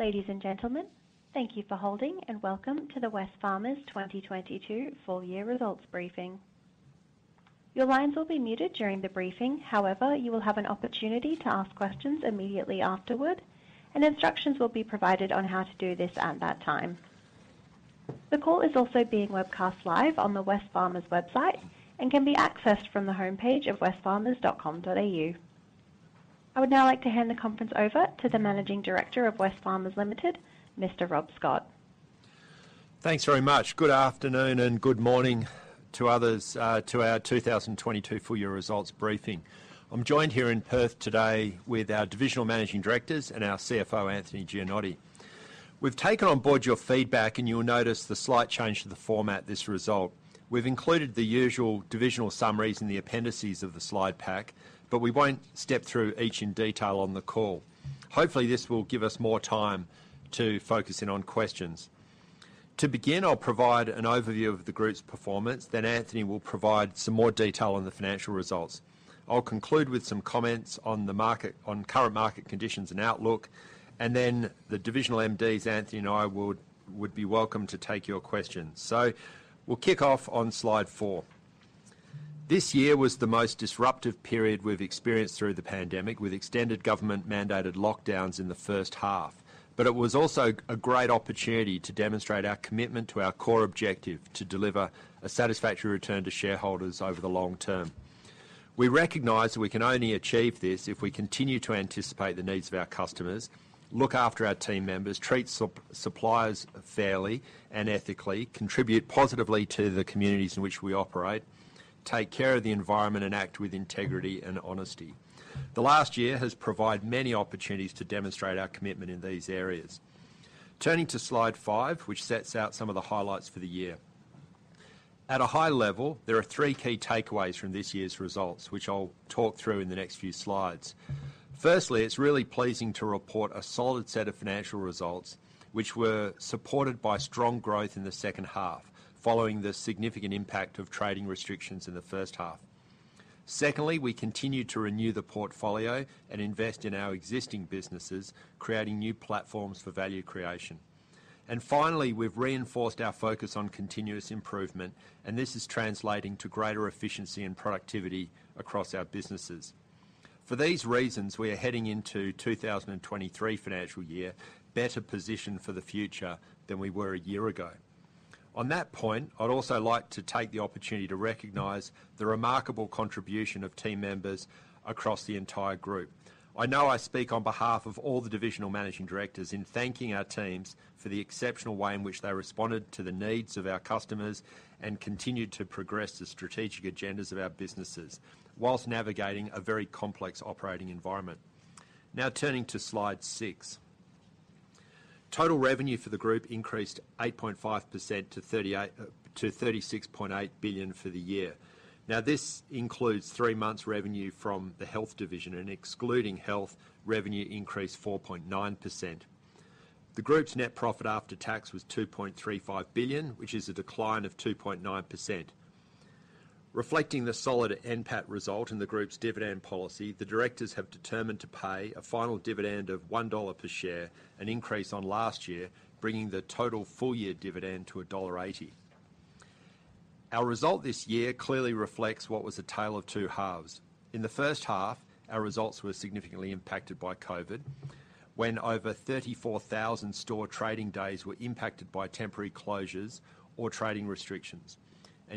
Ladies and gentlemen, thank you for holding and welcome to the Wesfarmers 2022 full-year results briefing. Your lines will be muted during the briefing. However, you will have an opportunity to ask questions immediately afterward, and instructions will be provided on how to do this at that time. The call is also being webcast live on the Wesfarmers website and can be accessed from the homepage of wesfarmers.com.au. I would now like to hand the conference over to the Managing Director of Wesfarmers Limited, Mr. Rob Scott. Thanks very much. Good afternoon and good morning to others, to our 2022 full-year results briefing. I'm joined here in Perth today with our Divisional Managing Directors and our CFO, Anthony Gianotti. We've taken on board your feedback, and you'll notice the slight change to the format this results. We've included the usual divisional summaries in the appendices of the slide pack, but we won't step through each in detail on the call. Hopefully, this will give us more time to focus in on questions. To begin, I'll provide an overview of the group's performance, then Anthony will provide some more detail on the financial results. I'll conclude with some comments on current market conditions and outlook, and then the divisional MDs, Anthony and I would be welcome to take your questions. We'll kick off on Slide 4. This year was the most disruptive period we've experienced through the pandemic, with extended government-mandated lockdowns in the first half. It was also a great opportunity to demonstrate our commitment to our core objective to deliver a satisfactory return to shareholders over the long-term. We recognize that we can only achieve this if we continue to anticipate the needs of our customers, look after our team members, treat suppliers fairly and ethically, contribute positively to the communities in which we operate, take care of the environment, and act with integrity and honesty. The last year has provided many opportunities to demonstrate our commitment in these areas. Turning to Slide 5, which sets out some of the highlights for the year. At a high level, there are three key takeaways from this year's results, which I'll talk through in the next few slides. Firstly, it's really pleasing to report a solid set of financial results which were supported by strong growth in the second half following the significant impact of trading restrictions in the first half. Secondly, we continued to renew the portfolio and invest in our existing businesses, creating new platforms for value creation. Finally, we've reinforced our focus on continuous improvement, and this is translating to greater efficiency and productivity across our businesses. For these reasons, we are heading into 2023 financial year better positioned for the future than we were a year ago. On that point, I'd also like to take the opportunity to recognize the remarkable contribution of team members across the entire group. I know I speak on behalf of all the Divisional Managing Directors in thanking our teams for the exceptional way in which they responded to the needs of our customers and continued to progress the strategic agendas of our businesses whilst navigating a very complex operating environment. Now turning to Slide 6. Total revenue for the group increased 8.5% to 36.8 billion for the year. Now, this includes three months revenue from the Health Division and excluding Health, revenue increased 4.9%. The group's net profit after tax was 2.35 billion, which is a decline of 2.9%. Reflecting the solid NPAT result in the group's dividend policy, the Directors have determined to pay a final dividend of 1 dollar per share, an increase on last year, bringing the total full-year dividend to dollar 1.80. Our result this year clearly reflects what was a tale of two halves. In the first half, our results were significantly impacted by COVID, when over 34,000 store trading days were impacted by temporary closures or trading restrictions.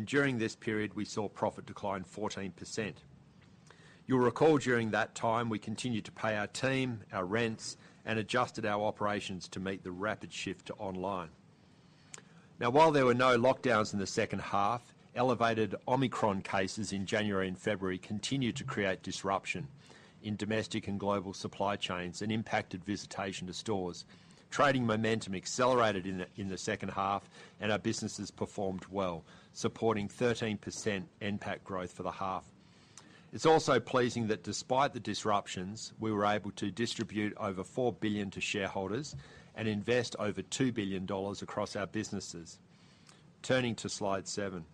During this period, we saw profit decline 14%. You'll recall during that time, we continued to pay our team, our rents, and adjusted our operations to meet the rapid shift to online. Now, while there were no lockdowns in the second half, elevated Omicron cases in January and February continued to create disruption in domestic and global supply chains and impacted visitation to stores. Trading momentum accelerated in the second half and our businesses performed well, supporting 13% NPAT growth for the half. It's also pleasing that despite the disruptions, we were able to distribute over 4 billion to shareholders and invest over 2 billion dollars across our businesses. Turning to Slide 7.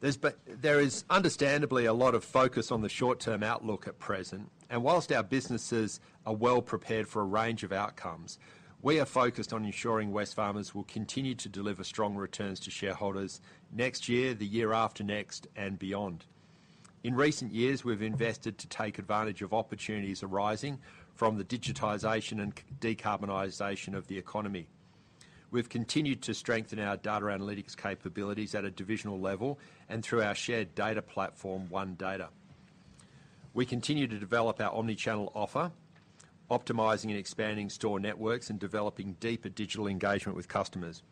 There is understandably a lot of focus on the short-term outlook at present, and while our businesses are well prepared for a range of outcomes, we are focused on ensuring Wesfarmers will continue to deliver strong returns to shareholders next year, the year after next, and beyond. In recent years, we've invested to take advantage of opportunities arising from the digitization and decarbonization of the economy. We've continued to strengthen our data analytics capabilities at a divisional level and through our shared data platform, OneData. We continue to develop our omni-channel offer, optimizing and expanding store networks, and developing deeper digital engagement with customers.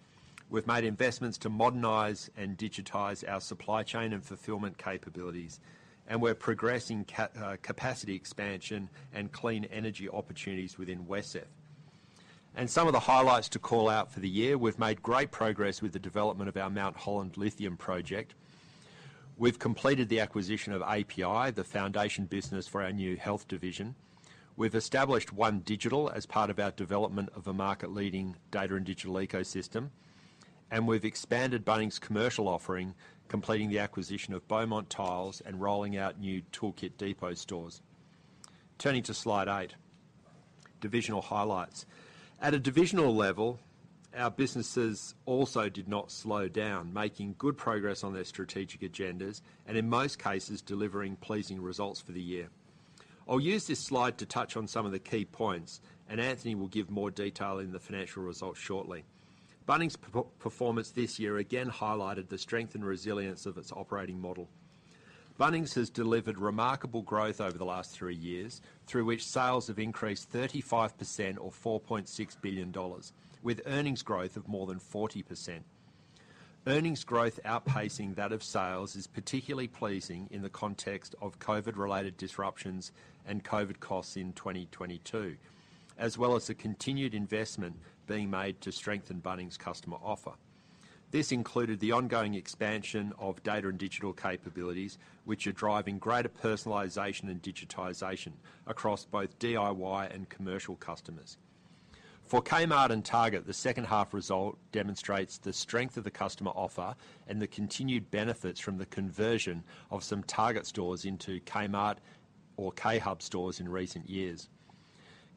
We've made investments to modernize and digitize our supply chain and fulfillment capabilities, and we're progressing capacity expansion and clean energy opportunities within WesCEF. Some of the highlights to call out for the year. We've made great progress with the development of our Mt Holland lithium project. We've completed the acquisition of API, the foundation business for our new Health Division. We've established OneDigital as part of our development of a market-leading data and digital ecosystem. We've expanded Bunnings' commercial offering, completing the acquisition of Beaumont Tiles and rolling out new Tool Kit Depot stores. Turning to Slide 8, Divisional Highlights. At a divisional level, our businesses also did not slow down, making good progress on their strategic agendas, and in most cases, delivering pleasing results for the year. I'll use this slide to touch on some of the key points, and Anthony will give more detail in the financial results shortly. Bunnings' performance this year again highlighted the strength and resilience of its operating model. Bunnings has delivered remarkable growth over the last three years, through which sales have increased 35% or 4.6 billion dollars, with earnings growth of more than 40%. Earnings growth outpacing that of sales is particularly pleasing in the context of COVID-related disruptions and COVID costs in 2022, as well as the continued investment being made to strengthen Bunnings' customer offer. This included the ongoing expansion of data and digital capabilities, which are driving greater personalization and digitization across both DIY and commercial customers. For Kmart and Target, the second half result demonstrates the strength of the customer offer and the continued benefits from the conversion of some Target stores into Kmart or K Hub stores in recent years.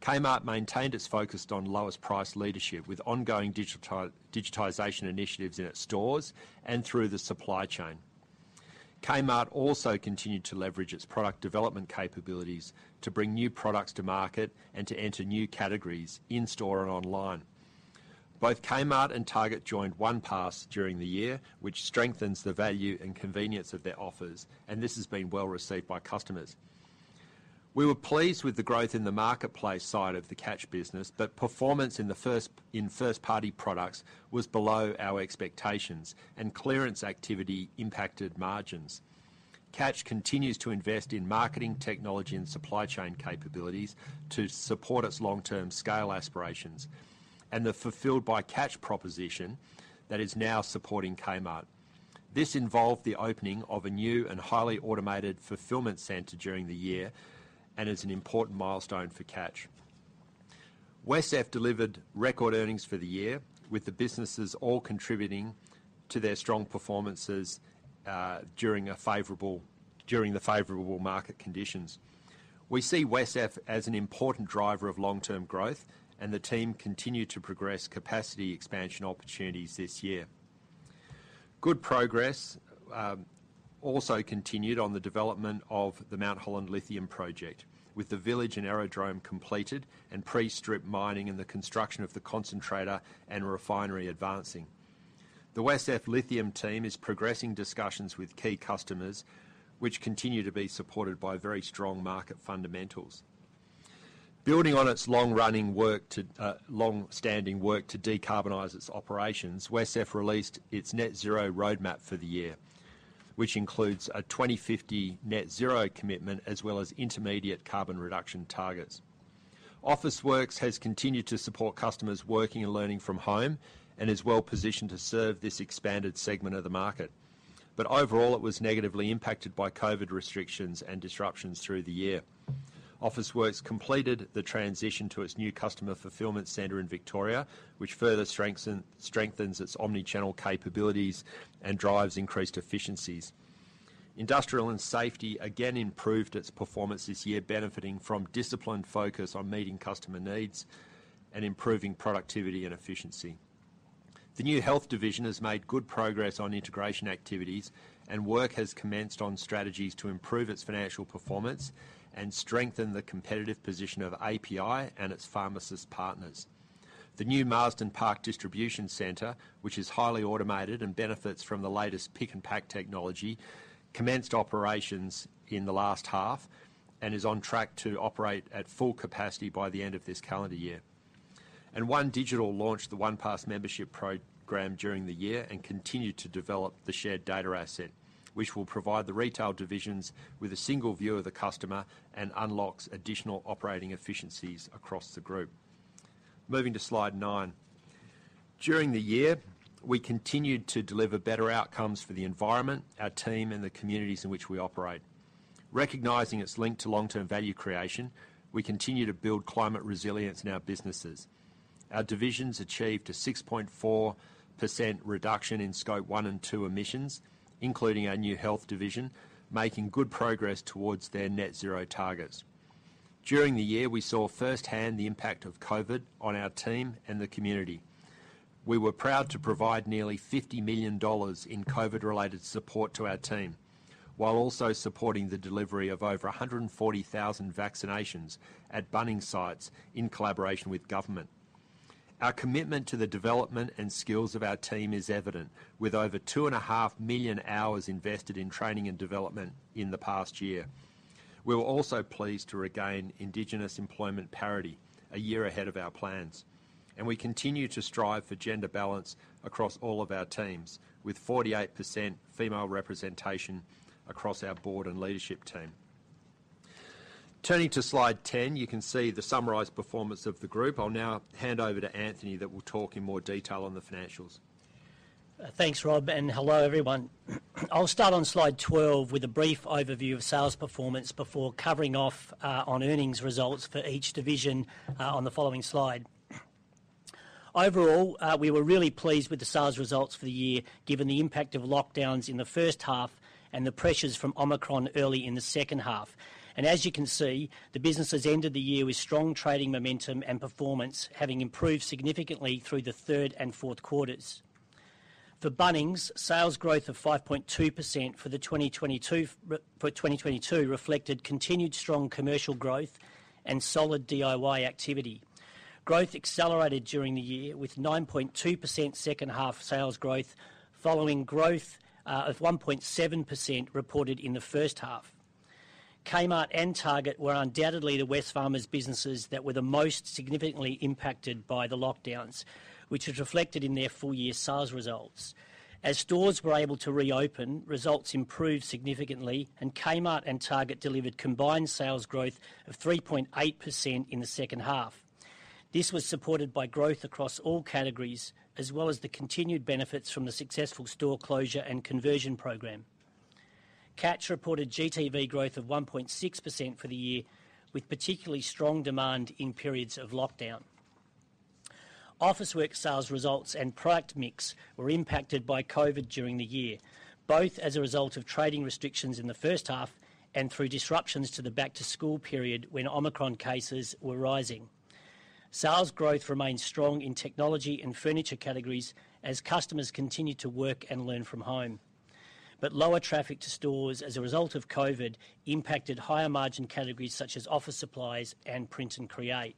Kmart maintained its focus on lowest price leadership with ongoing digitization initiatives in its stores and through the supply chain. Kmart also continued to leverage its product development capabilities to bring new products to market and to enter new categories in-store and online. Both Kmart and Target joined OnePass during the year, which strengthens the value and convenience of their offers, and this has been well-received by customers. We were pleased with the growth in the marketplace side of the Catch business, but performance in first-party products was below our expectations and clearance activity impacted margins. Catch continues to invest in marketing, technology, and supply chain capabilities to support its long-term scale aspirations and the fulfilled by Catch proposition that is now supporting Kmart. This involved the opening of a new and highly automated fulfillment center during the year and is an important milestone for Catch. WesCEF delivered record earnings for the year, with the businesses all contributing to their strong performances during the favorable market conditions. We see WesCEF as an important driver of long-term growth, and the team continued to progress capacity expansion opportunities this year. Good progress also continued on the development of the Mt Holland Lithium Project, with the village and aerodrome completed and pre-strip mining and the construction of the concentrator and refinery advancing. The WesCEF lithium team is progressing discussions with key customers, which continue to be supported by very strong market fundamentals. Building on its long-standing work to decarbonize its operations, WesCEF released its net zero roadmap for the year, which includes a 2050 net zero commitment, as well as intermediate carbon reduction targets. Officeworks has continued to support customers working and learning from home and is well-positioned to serve this expanded segment of the market. Overall, it was negatively impacted by COVID restrictions and disruptions through the year. Officeworks completed the transition to its new customer fulfillment center in Victoria, which further strengthens its omni-channel capabilities and drives increased efficiencies. Industrial and Safety again improved its performance this year, benefiting from disciplined focus on meeting customer needs and improving productivity and efficiency. The new Health Division has made good progress on integration activities, and work has commenced on strategies to improve its financial performance and strengthen the competitive position of API and its pharmacist partners. The new Marsden Park Distribution Center, which is highly automated and benefits from the latest pick and pack technology, commenced operations in the last half and is on track to operate at full capacity by the end of this calendar year. OneDigital launched the OnePass membership program during the year and continued to develop the shared data asset, which will provide the retail divisions with a single view of the customer and unlocks additional operating efficiencies across the group. Moving to Slide 9. During the year, we continued to deliver better outcomes for the environment, our team, and the communities in which we operate. Recognizing it's linked to long-term value creation, we continue to build climate resilience in our businesses. Our Divisions achieved a 6.4% reduction in Scope 1 and 2 emissions, including our new Health Division, making good progress towards their net zero targets. During the year, we saw firsthand the impact of COVID on our team and the community. We were proud to provide nearly 50 million dollars in COVID-related support to our team, while also supporting the delivery of over 140,000 vaccinations at Bunnings sites in collaboration with government. Our commitment to the development and skills of our team is evident, with over 2.5 million hours invested in training and development in the past year. We were also pleased to regain indigenous employment parity a year ahead of our plans, and we continue to strive for gender balance across all of our teams, with 48% female representation across our board and leadership team. Turning to Slide 10, you can see the summarized performance of the group. I'll now hand over to Anthony who will talk in more detail on the financials. Thanks, Rob, and hello, everyone. I'll start on Slide 12 with a brief overview of sales performance before covering off on earnings results for each division on the following slide. Overall, we were really pleased with the sales results for the year, given the impact of lockdowns in the first half and the pressures from Omicron early in the second half. As you can see, the business has ended the year with strong trading momentum and performance, having improved significantly through the third and fourth quarters. For Bunnings, sales growth of 5.2% for 2022 reflected continued strong commercial growth and solid DIY activity. Growth accelerated during the year, with 9.2% second half sales growth following growth of 1.7% reported in the first half. Kmart and Target were undoubtedly the Wesfarmers businesses that were the most significantly impacted by the lockdowns, which is reflected in their full-year sales results. As stores were able to reopen, results improved significantly, and Kmart and Target delivered combined sales growth of 3.8% in the second half. This was supported by growth across all categories, as well as the continued benefits from the successful store closure and conversion program. Catch reported GTV growth of 1.6% for the year, with particularly strong demand in periods of lockdown. Officeworks sales results and product mix were impacted by COVID during the year, both as a result of trading restrictions in the first half and through disruptions to the back to school period when Omicron cases were rising. Sales growth remained strong in technology and furniture categories as customers continued to work and learn from home. Lower traffic to stores as a result of COVID impacted higher margin categories such as office supplies and print and create.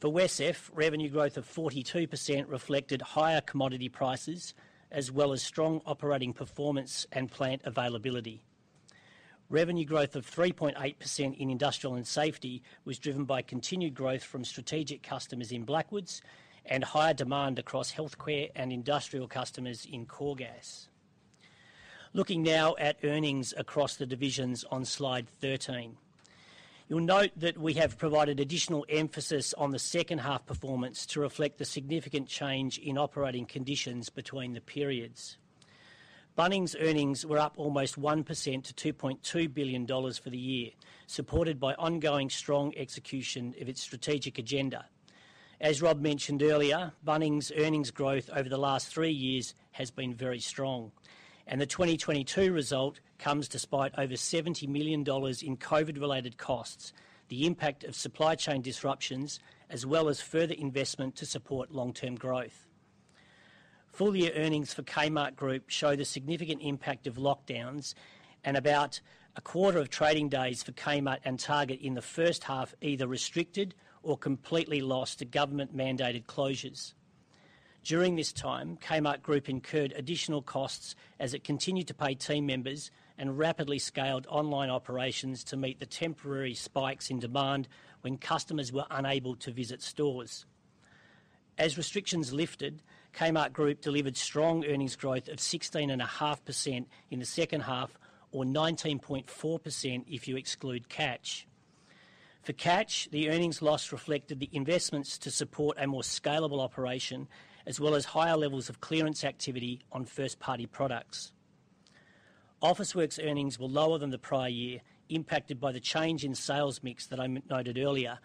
For WesCEF, revenue growth of 42% reflected higher commodity prices, as well as strong operating performance and plant availability. Revenue growth of 3.8% in Industrial and Safety was driven by continued growth from strategic customers in Blackwoods and higher demand across Healthcare and Industrial customers in Coregas. Looking now at earnings across the divisions on Slide 13. You'll note that we have provided additional emphasis on the second half performance to reflect the significant change in operating conditions between the periods. Bunnings earnings were up almost 1% to AUD 2.2 billion for the year, supported by ongoing strong execution of its strategic agenda. As Rob mentioned earlier, Bunnings earnings growth over the last three years has been very strong, and the 2022 result comes despite over 70 million dollars in COVID-related costs, the impact of supply chain disruptions, as well as further investment to support long-term growth. Full-year earnings for Kmart Group show the significant impact of lockdowns and about a quarter of trading days for Kmart and Target in the first half, either restricted or completely lost to government-mandated closures. During this time, Kmart Group incurred additional costs as it continued to pay team members and rapidly scaled online operations to meet the temporary spikes in demand when customers were unable to visit stores. As restrictions lifted, Kmart Group delivered strong earnings growth of 16.5% in the second half or 19.4% if you exclude Catch. For Catch, the earnings loss reflected the investments to support a more scalable operation, as well as higher levels of clearance activity on first-party products. Officeworks earnings were lower than the prior year, impacted by the change in sales mix that I noted earlier,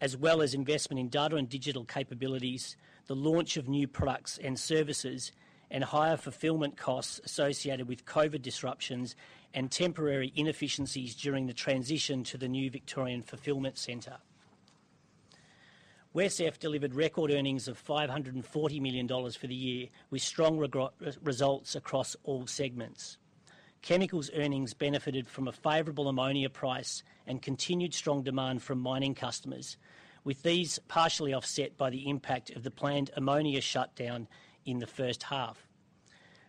as well as investment in data and digital capabilities, the launch of new products and services, and higher fulfillment costs associated with COVID disruptions and temporary inefficiencies during the transition to the new Victorian fulfillment center. WesCEF delivered record earnings of 540 million dollars for the year, with strong results across all segments. Chemicals earnings benefited from a favorable ammonia price and continued strong demand from mining customers. With these partially offset by the impact of the planned ammonia shutdown in the first half.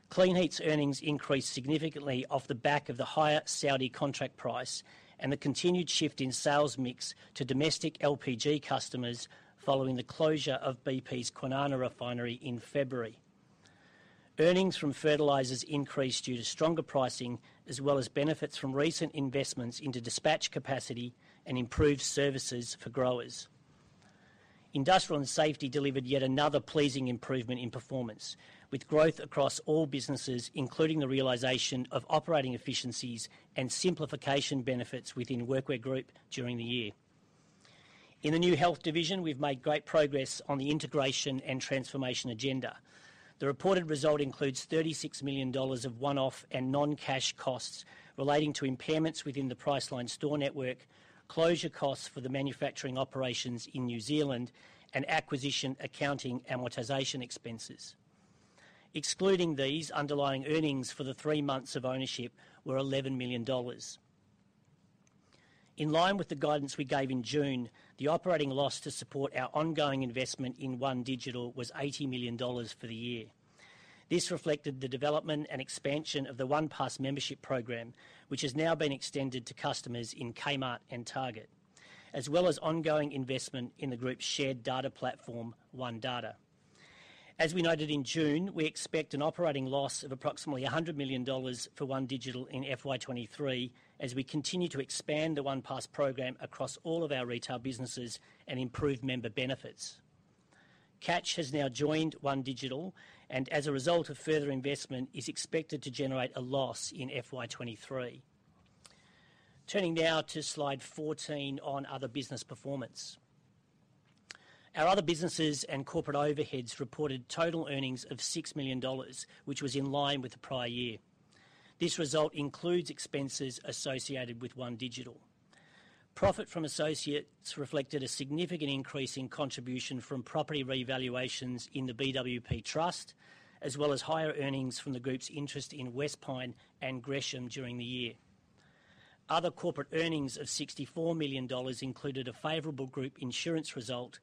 Kleenheat's earnings increased significantly off the back of the higher Saudi contract price and the continued shift in sales mix to domestic LPG customers following the closure of BP's Kwinana refinery in February. Earnings from fertilizers increased due to stronger pricing, as well as benefits from recent investments into dispatch capacity and improved services for growers. Industrial and Safety delivered yet another pleasing improvement in performance, with growth across all businesses, including the realization of operating efficiencies and simplification benefits within Workwear Group during the year. In the new Health Division, we've made great progress on the integration and transformation agenda. The reported result includes 36 million dollars of one-off and non-cash costs relating to impairments within the Priceline store network, closure costs for the manufacturing operations in New Zealand, and acquisition accounting amortization expenses. Excluding these, underlying earnings for the three months of ownership were 11 million dollars. In line with the guidance we gave in June, the operating loss to support our ongoing investment in OneDigital was 80 million dollars for the year. This reflected the development and expansion of the OnePass membership program, which has now been extended to customers in Kmart and Target, as well as ongoing investment in the group's shared data platform, OneData. As we noted in June, we expect an operating loss of approximately 100 million dollars for OneDigital in FY 2023 as we continue to expand the OnePass program across all of our retail businesses and improve member benefits. Catch has now joined OneDigital and as a result of further investment, is expected to generate a loss in FY 2023. Turning now to Slide 14 on other business performance. Our other businesses and corporate overheads reported total earnings of 6 million dollars, which was in line with the prior year. This result includes expenses associated with OneDigital. Profit from associates reflected a significant increase in contribution from property revaluations in the BWP Trust, as well as higher earnings from the group's interest in Wespine and Gresham during the year. Other corporate earnings of 64 million dollars included a favorable group insurance result,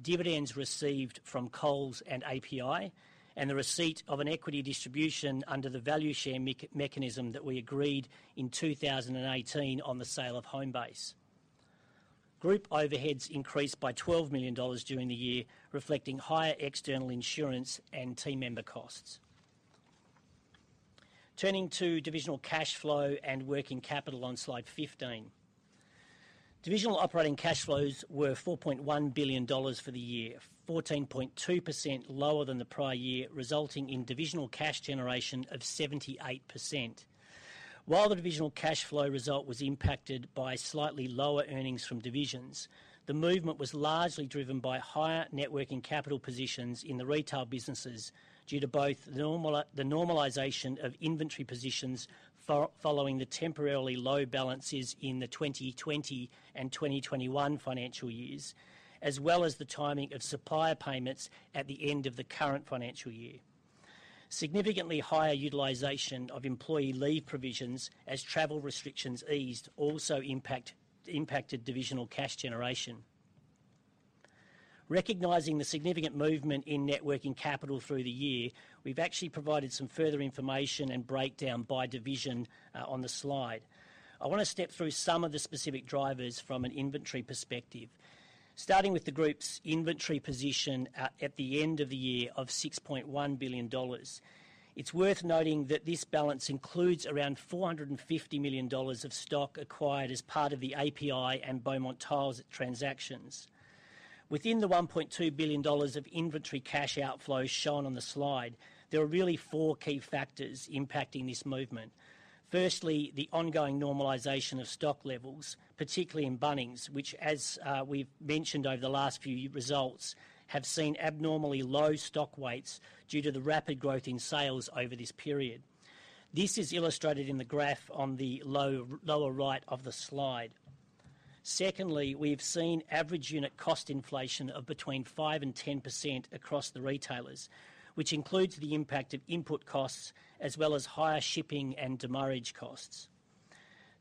dividends received from Coles and API, and the receipt of an equity distribution under the value share mechanism that we agreed in 2018 on the sale of Homebase. Group overheads increased by 12 million dollars during the year, reflecting higher external insurance and team member costs. Turning to divisional cash flow and working capital on Slide 15. Divisional operating cash flows were 4.1 billion dollars for the year, 14.2% lower than the prior year, resulting in divisional cash generation of 78%. While the divisional cash flow result was impacted by slightly lower earnings from divisions, the movement was largely driven by higher net working capital positions in the retail businesses due to both the normalization of inventory positions following the temporarily low balances in the 2020 and 2021 financial years, as well as the timing of supplier payments at the end of the current financial year. Significantly higher utilization of employee leave provisions as travel restrictions eased also impacted divisional cash generation. Recognizing the significant movement in net working capital through the year, we've actually provided some further information and breakdown by division on the slide. I wanna step through some of the specific drivers from an inventory perspective. Starting with the group's inventory position at the end of the year of 6.1 billion dollars. It's worth noting that this balance includes around 450 million dollars of stock acquired as part of the API and Beaumont Tiles transactions. Within the 1.2 billion dollars of inventory cash outflows shown on the slide, there are really four key factors impacting this movement. Firstly, the ongoing normalization of stock levels, particularly in Bunnings, which as we've mentioned over the last few results, have seen abnormally low stock levels due to the rapid growth in sales over this period. This is illustrated in the graph on the lower right of the slide. Secondly, we've seen average unit cost inflation of between 5%-10% across the retailers, which includes the impact of input costs as well as higher shipping and demurrage costs.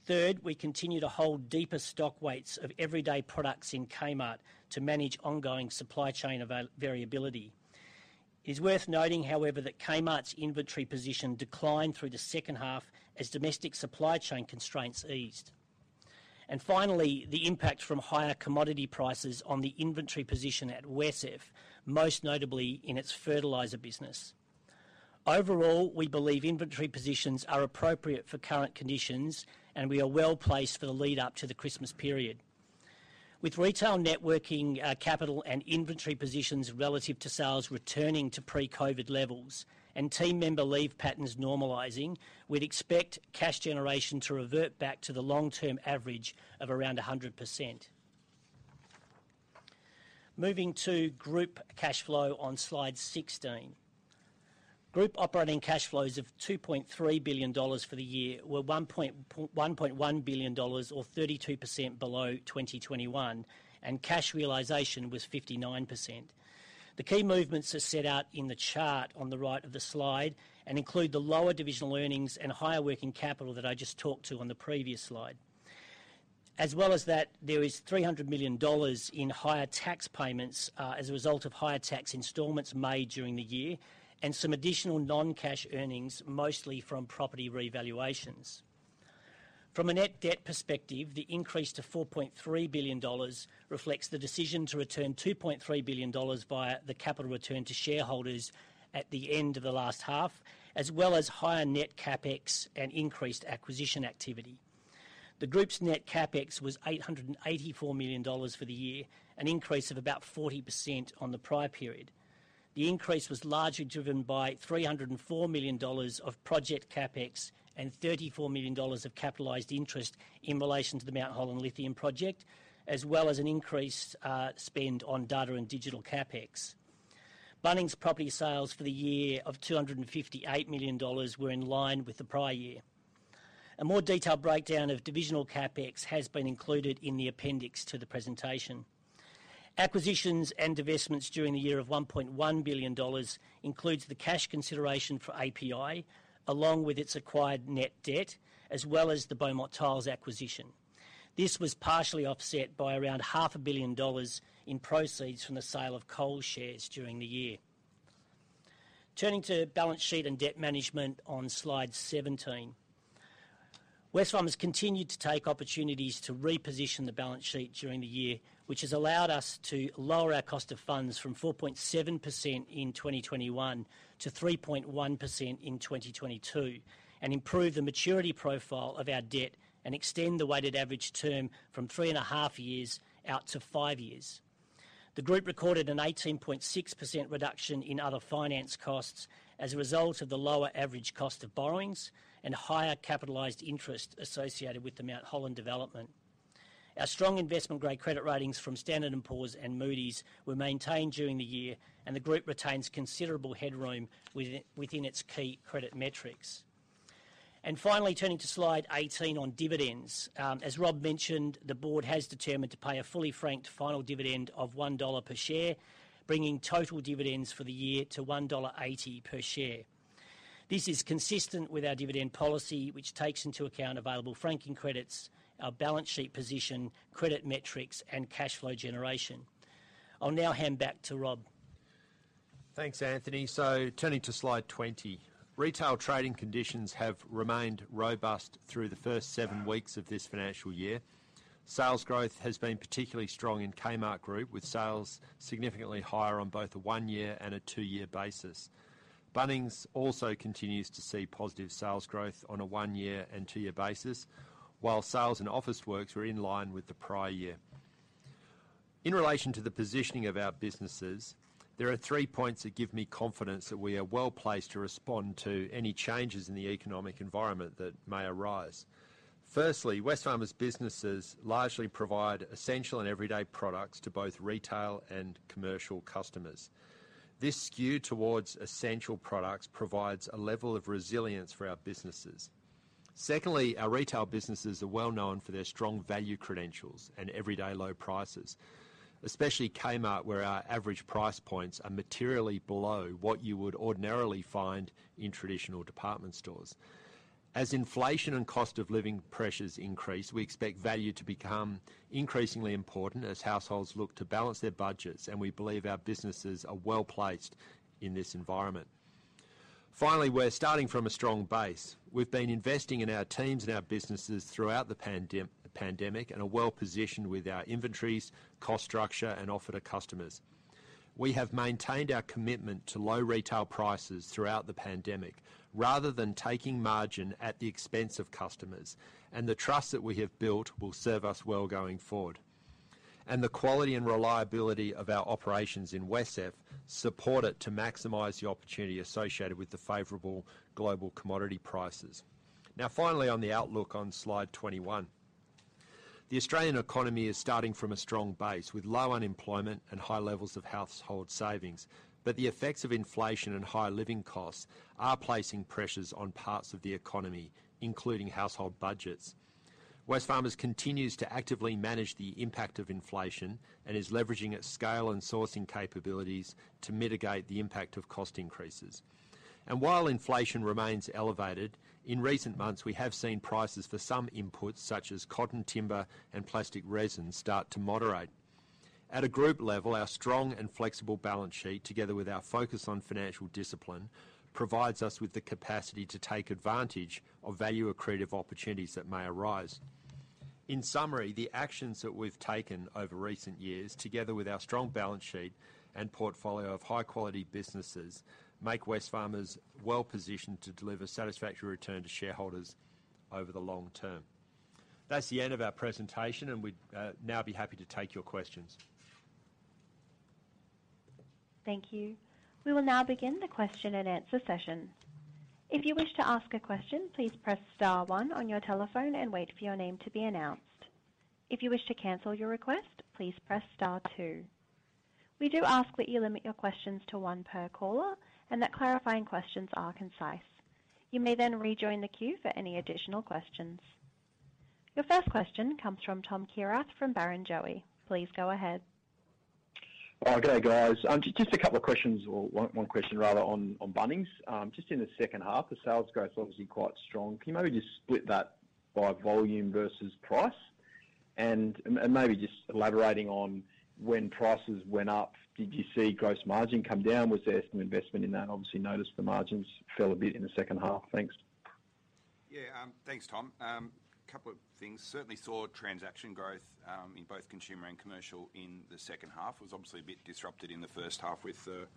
Third, we continue to hold deeper stock weights of everyday products in Kmart to manage ongoing supply chain variability. It's worth noting, however, that Kmart's inventory position declined through the second half as domestic supply chain constraints eased. Finally, the impact from higher commodity prices on the inventory position at WesCEF, most notably in its fertilizer business. Overall, we believe inventory positions are appropriate for current conditions, and we are well placed for the lead-up to the Christmas period. With retail working capital and inventory positions relative to sales returning to pre-COVID levels and team member leave patterns normalizing, we'd expect cash generation to revert back to the long-term average of around 100%. Moving to Group cash flow on Slide 16. Group operating cash flows of 2.3 billion dollars for the year were 1.1 billion dollars or 32% below 2021, and cash realization was 59%. The key movements are set out in the chart on the right of the slide and include the lower divisional earnings and higher working capital that I just talked to on the previous slide. As well as that, there is 300 million dollars in higher tax payments as a result of higher tax installments made during the year, and some additional non-cash earnings, mostly from property revaluations. From a net debt perspective, the increase to 4.3 billion dollars reflects the decision to return 2.3 billion dollars via the capital return to shareholders at the end of the last half, as well as higher net CapEx and increased acquisition activity. The group's net CapEx was 884 million dollars for the year, an increase of about 40% on the prior period. The increase was largely driven by 304 million dollars of project CapEx and 34 million dollars of capitalized interest in relation to the Mt Holland lithium project, as well as an increased spend on data and digital CapEx. Bunnings property sales for the year of 258 million dollars were in line with the prior year. A more detailed breakdown of divisional CapEx has been included in the appendix to the presentation. Acquisitions and divestments during the year of 1.1 billion dollars includes the cash consideration for API, along with its acquired net debt, as well as the Beaumont Tiles acquisition. This was partially offset by around AUD half a billion in proceeds from the sale of Coles shares during the year. Turning to balance sheet and debt management on Slide 17. Wesfarmers continued to take opportunities to reposition the balance sheet during the year, which has allowed us to lower our cost of funds from 4.7% in 2021 to 3.1% in 2022, and improve the maturity profile of our debt and extend the weighted average term from 3.5 years out to 5 years. The group recorded an 18.6% reduction in other finance costs as a result of the lower average cost of borrowings and higher capitalized interest associated with the Mt Holland development. Our strong investment-grade credit ratings from Standard & Poor's and Moody's were maintained during the year, and the group retains considerable headroom within its key credit metrics. Finally, turning to Slide 18 on Dividends. As Rob mentioned, the Board has determined to pay a fully franked final dividend of 1 dollar per share, bringing total dividends for the year to 1.80 dollar per share. This is consistent with our dividend policy, which takes into account available franking credits, our balance sheet position, credit metrics, and cash flow generation. I'll now hand back to Rob. Thanks, Anthony. Turning to Slide 20. Retail trading conditions have remained robust through the first seven weeks of this financial year. Sales growth has been particularly strong in Kmart Group, with sales significantly higher on both a one year and a two year basis. Bunnings also continues to see positive sales growth on a one year and two year basis, while sales in Officeworks were in line with the prior year. In relation to the positioning of our businesses, there are three points that give me confidence that we are well-placed to respond to any changes in the economic environment that may arise. Firstly, Wesfarmers businesses largely provide essential and everyday products to both retail and commercial customers. This skew towards essential products provides a level of resilience for our businesses. Secondly, our Retail businesses are well-known for their strong value credentials and everyday low prices, especially Kmart, where our average price points are materially below what you would ordinarily find in traditional department stores. As inflation and cost of living pressures increase, we expect value to become increasingly important as households look to balance their budgets, and we believe our businesses are well-placed in this environment. Finally, we're starting from a strong base. We've been investing in our teams and our businesses throughout the pandemic and are well-positioned with our inventories, cost structure, and offer to customers. We have maintained our commitment to low retail prices throughout the pandemic, rather than taking margin at the expense of customers, and the trust that we have built will serve us well going forward. The quality and reliability of our operations in WesCEF support it to maximize the opportunity associated with the favorable global commodity prices. Now finally, on the outlook on Slide 21. The Australian economy is starting from a strong base, with low unemployment and high levels of household savings. The effects of inflation and higher living costs are placing pressures on parts of the economy, including household budgets. Wesfarmers continues to actively manage the impact of inflation and is leveraging its scale and sourcing capabilities to mitigate the impact of cost increases. While inflation remains elevated, in recent months, we have seen prices for some inputs, such as cotton, timber, and plastic resin, start to moderate. At a group level, our strong and flexible balance sheet, together with our focus on financial discipline, provides us with the capacity to take advantage of value-accretive opportunities that may arise. In summary, the actions that we've taken over recent years, together with our strong balance sheet and portfolio of high-quality businesses, make Wesfarmers well-positioned to deliver satisfactory return to shareholders over the long-term. That's the end of our presentation, and we'd now be happy to take your questions. Thank you. We will now begin the question-and-answer session. If you wish to ask a question, please press Star one on your telephone and wait for your name to be announced. If you wish to cancel your request, please press Star two. We do ask that you limit your questions to one per caller and that clarifying questions are concise. You may then rejoin the queue for any additional questions. Your first question comes from Thomas Kierath from Barrenjoey. Please go ahead. Oh, good day, guys. Just a couple of questions or one question rather on Bunnings. Just in the second half, the sales growth is obviously quite strong. Can you maybe just split that by volume versus price? And maybe just elaborating on when prices went up, did you see gross margin come down? Was there some investment in that? Obviously noticed the margins fell a bit in the second half. Thanks. Yeah. Thanks, Tom. Couple of things. Certainly saw transaction growth in both consumer and commercial in the second half. It was obviously a bit disrupted in the first half with the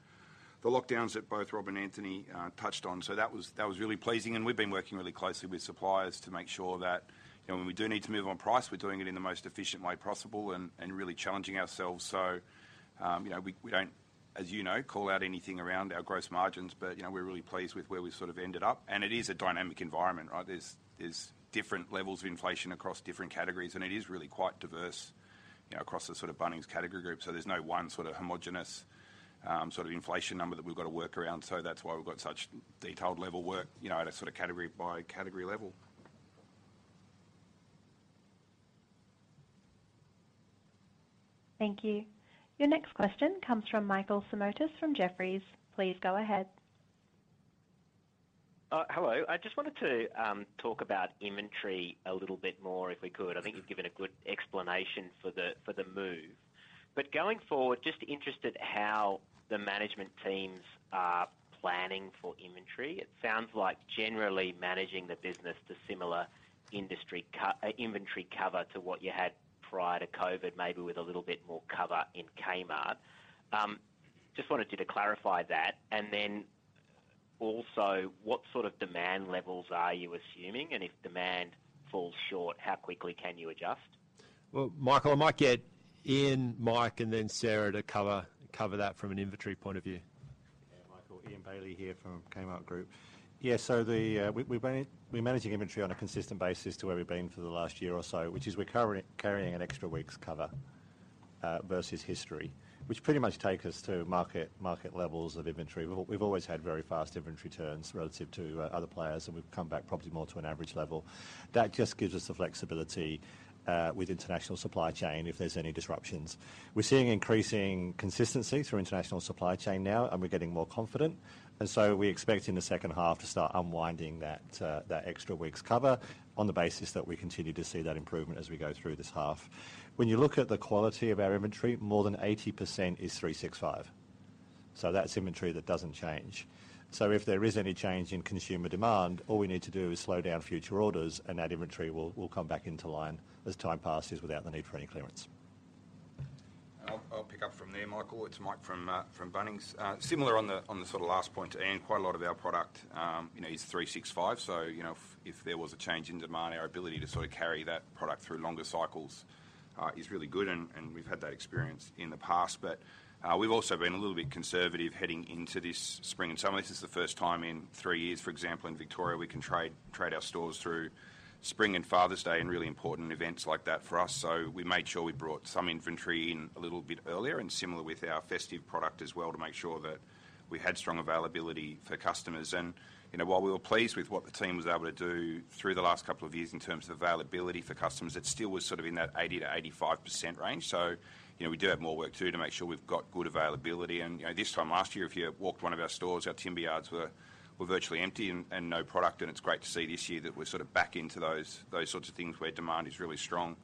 lockdowns that both Rob and Anthony touched on. That was really pleasing. We've been working really closely with suppliers to make sure that, you know, when we do need to move on price, we're doing it in the most efficient way possible and really challenging ourselves. You know, we don't, as you know, call out anything around our gross margins, but, you know, we're really pleased with where we sort of ended up. It is a dynamic environment, right? There's different levels of inflation across different categories, and it is really quite diverse, you know, across the sort of Bunnings category group. There's no one sort of homogeneous sort of inflation number that we've got to work around. That's why we've got such detailed level work, you know, at a sort of category by category level. Thank you. Your next question comes from Michael Simotas from Jefferies. Please go ahead. Hello. I just wanted to talk about inventory a little bit more if we could. I think you've given a good explanation for the move. Going forward, just interested how the management teams are planning for inventory. It sounds like generally managing the business to similar industry inventory cover to what you had prior to COVID, maybe with a little bit more cover in Kmart. Just wanted you to clarify that and then. Also, what sort of demand levels are you assuming? If demand falls short, how quickly can you adjust? Well, Michael, I might get Ian, Mike, and then Sarah to cover that from an inventory point of view. Yeah, Michael, Ian Bailey here from Kmart Group. Yeah, so we're managing inventory on a consistent basis to where we've been for the last year or so, which is we're carrying an extra week's cover versus history, which pretty much take us to market levels of inventory. We've always had very fast inventory turns relative to other players, and we've come back probably more to an average level. That just gives us the flexibility with international supply chain, if there's any disruptions. We're seeing increasing consistency through international supply chain now, and we're getting more confident. We expect in the second half to start unwinding that extra week's cover on the basis that we continue to see that improvement as we go through this half. When you look at the quality of our inventory, more than 80% is 365. That's inventory that doesn't change. If there is any change in consumer demand, all we need to do is slow down future orders, and that inventory will come back into line as time passes without the need for any clearance. I'll pick up from there, Michael. It's Mike from Bunnings. Similar on the sort of last point to Ian, quite a lot of our product, you know, is 365. So, you know, if there was a change in demand, our ability to sort of carry that product through longer cycles is really good, and we've had that experience in the past. But we've also been a little bit conservative heading into this spring. Some of this is the first time in three years, for example, in Victoria, we can trade our stores through spring and Father's Day and really important events like that for us. So we made sure we brought some inventory in a little bit earlier and similar with our festive product as well to make sure that we had strong availability for customers. You know, while we were pleased with what the team was able to do through the last couple of years in terms of availability for customers, it still was sort of in that 80%-85% range. You know, we do have more work to do to make sure we've got good availability. You know, this time last year, if you walked one of our stores, our timber yards were virtually empty and no product. It's great to see this year that we're sort of back into those sorts of things where demand is really strong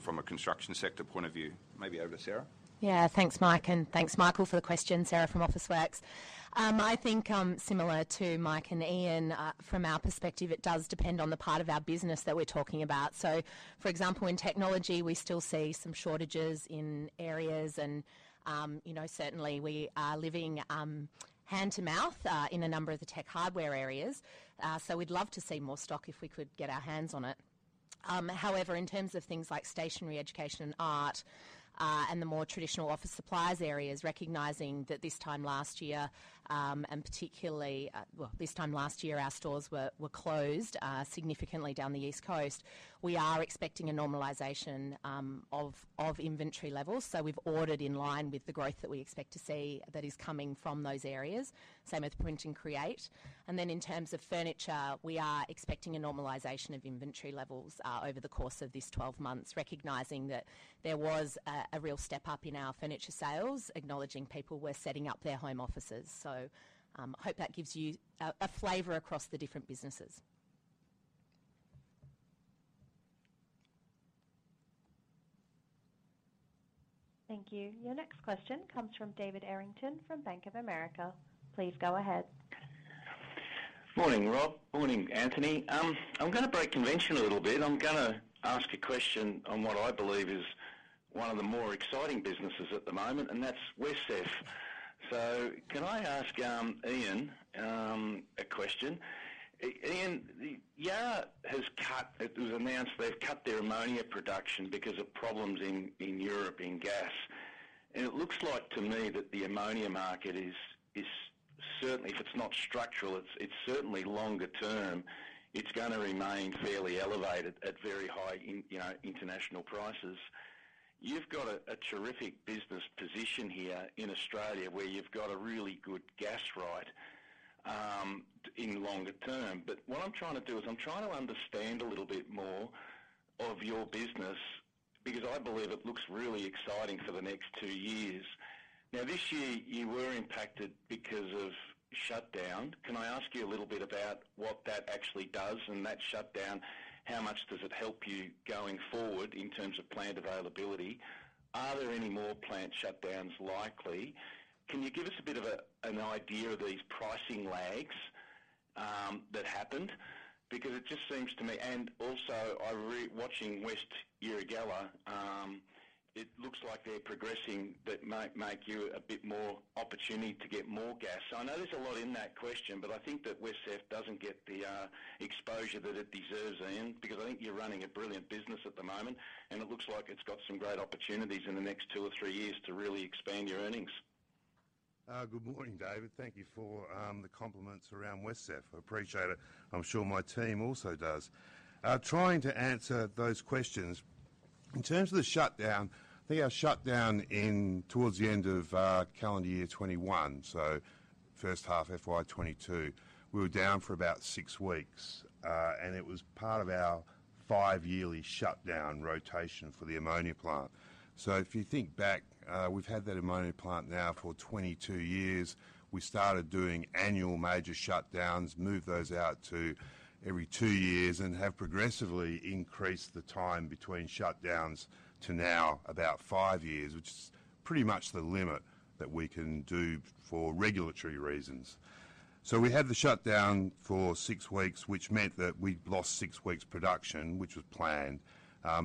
from a construction sector point of view. Maybe over to Sarah. Yeah. Thanks, Mike, and thanks Michael for the question. Sarah from Officeworks. I think, similar to Mike and Ian, from our perspective, it does depend on the part of our business that we're talking about. For example, in technology, we still see some shortages in areas and, you know, certainly we are living hand-to-mouth in a number of the tech hardware areas. We'd love to see more stock if we could get our hands on it. However, in terms of things like stationery, education, and art, and the more traditional office supplies areas, recognizing that this time last year, our stores were closed significantly down the East Coast, we are expecting a normalization of inventory levels. We've ordered in line with the growth that we expect to see that is coming from those areas. Same with print and create. Then in terms of furniture, we are expecting a normalization of inventory levels over the course of this 12 months, recognizing that there was a real step up in our furniture sales, acknowledging people were setting up their home offices. Hope that gives you a flavor across the different businesses. Thank you. Your next question comes from David Errington from Bank of America. Please go ahead. Morning, Rob. Morning, Anthony. I'm gonna break convention a little bit. I'm gonna ask a question on what I believe is one of the more exciting businesses at the moment, and that's WesCEF. Can I ask Ian Hansen a question? Ian, it was announced they've cut their ammonia production because of problems in Europe in gas. It looks like to me that the ammonia market is certainly, if it's not structural, it's certainly longer term. It's gonna remain fairly elevated at very high international prices. You've got a terrific business position here in Australia, where you've got a really good gas right in longer-term. But what I'm trying to do is I'm trying to understand a little bit more of your business because I believe it looks really exciting for the next two years. Now, this year, you were impacted because of shutdown. Can I ask you a little bit about what that actually does? In that shutdown, how much does it help you going forward in terms of plant availability? Are there any more plant shutdowns likely? Can you give us a bit of an idea of these pricing lags that happened? Because it just seems to me. Also, watching West Erregulla, it looks like they're progressing that might make you a bit more opportunity to get more gas. I know there's a lot in that question, but I think that WesCEF doesn't get the exposure that it deserves, Ian, because I think you're running a brilliant business at the moment, and it looks like it's got some great opportunities in the next two or three years to really expand your earnings. Good morning, David. Thank you for the compliments around WesCEF. I appreciate it. I'm sure my team also does. Trying to answer those questions. In terms of the shutdown, I think our shutdown towards the end of calendar year 2021, so first half FY 2022, we were down for about six weeks. It was part of our five-yearly shutdown rotation for the ammonia plant. If you think back, we've had that ammonia plant now for 22 years. We started doing annual major shutdowns, moved those out to every two years, and have progressively increased the time between shutdowns to now, about five years, which is pretty much the limit that we can do for regulatory reasons. We had the shutdown for six weeks, which meant that we lost six weeks' production, which was planned.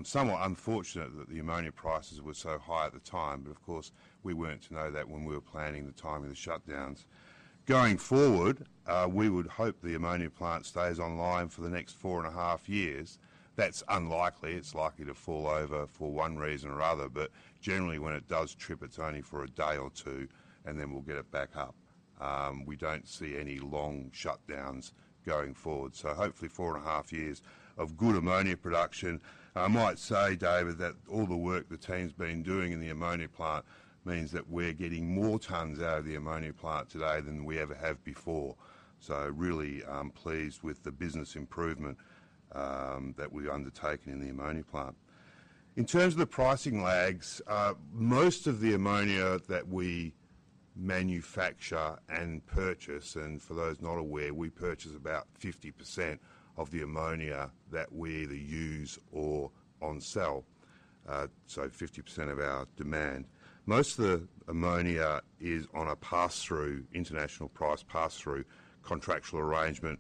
Somewhat unfortunate that the ammonia prices were so high at the time, but of course we weren't to know that when we were planning the timing of the shutdowns. Going forward, we would hope the ammonia plant stays online for the next four and a half years. That's unlikely. It's likely to fall over for one reason or other. But generally, when it does trip, it's only for a day or two, and then we'll get it back up. We don't see any long shutdowns going forward. Hopefully four and a half years of good ammonia production. I might say, David, that all the work the team's been doing in the ammonia plant means that we're getting more tons out of the ammonia plant today than we ever have before. Really pleased with the business improvement that we've undertaken in the ammonia plant. In terms of the pricing lags, most of the ammonia that we manufacture and purchase, and for those not aware, we purchase about 50% of the ammonia that we either use or on-sell, so 50% of our demand. Most of the ammonia is on a pass-through, international price pass-through contractual arrangement,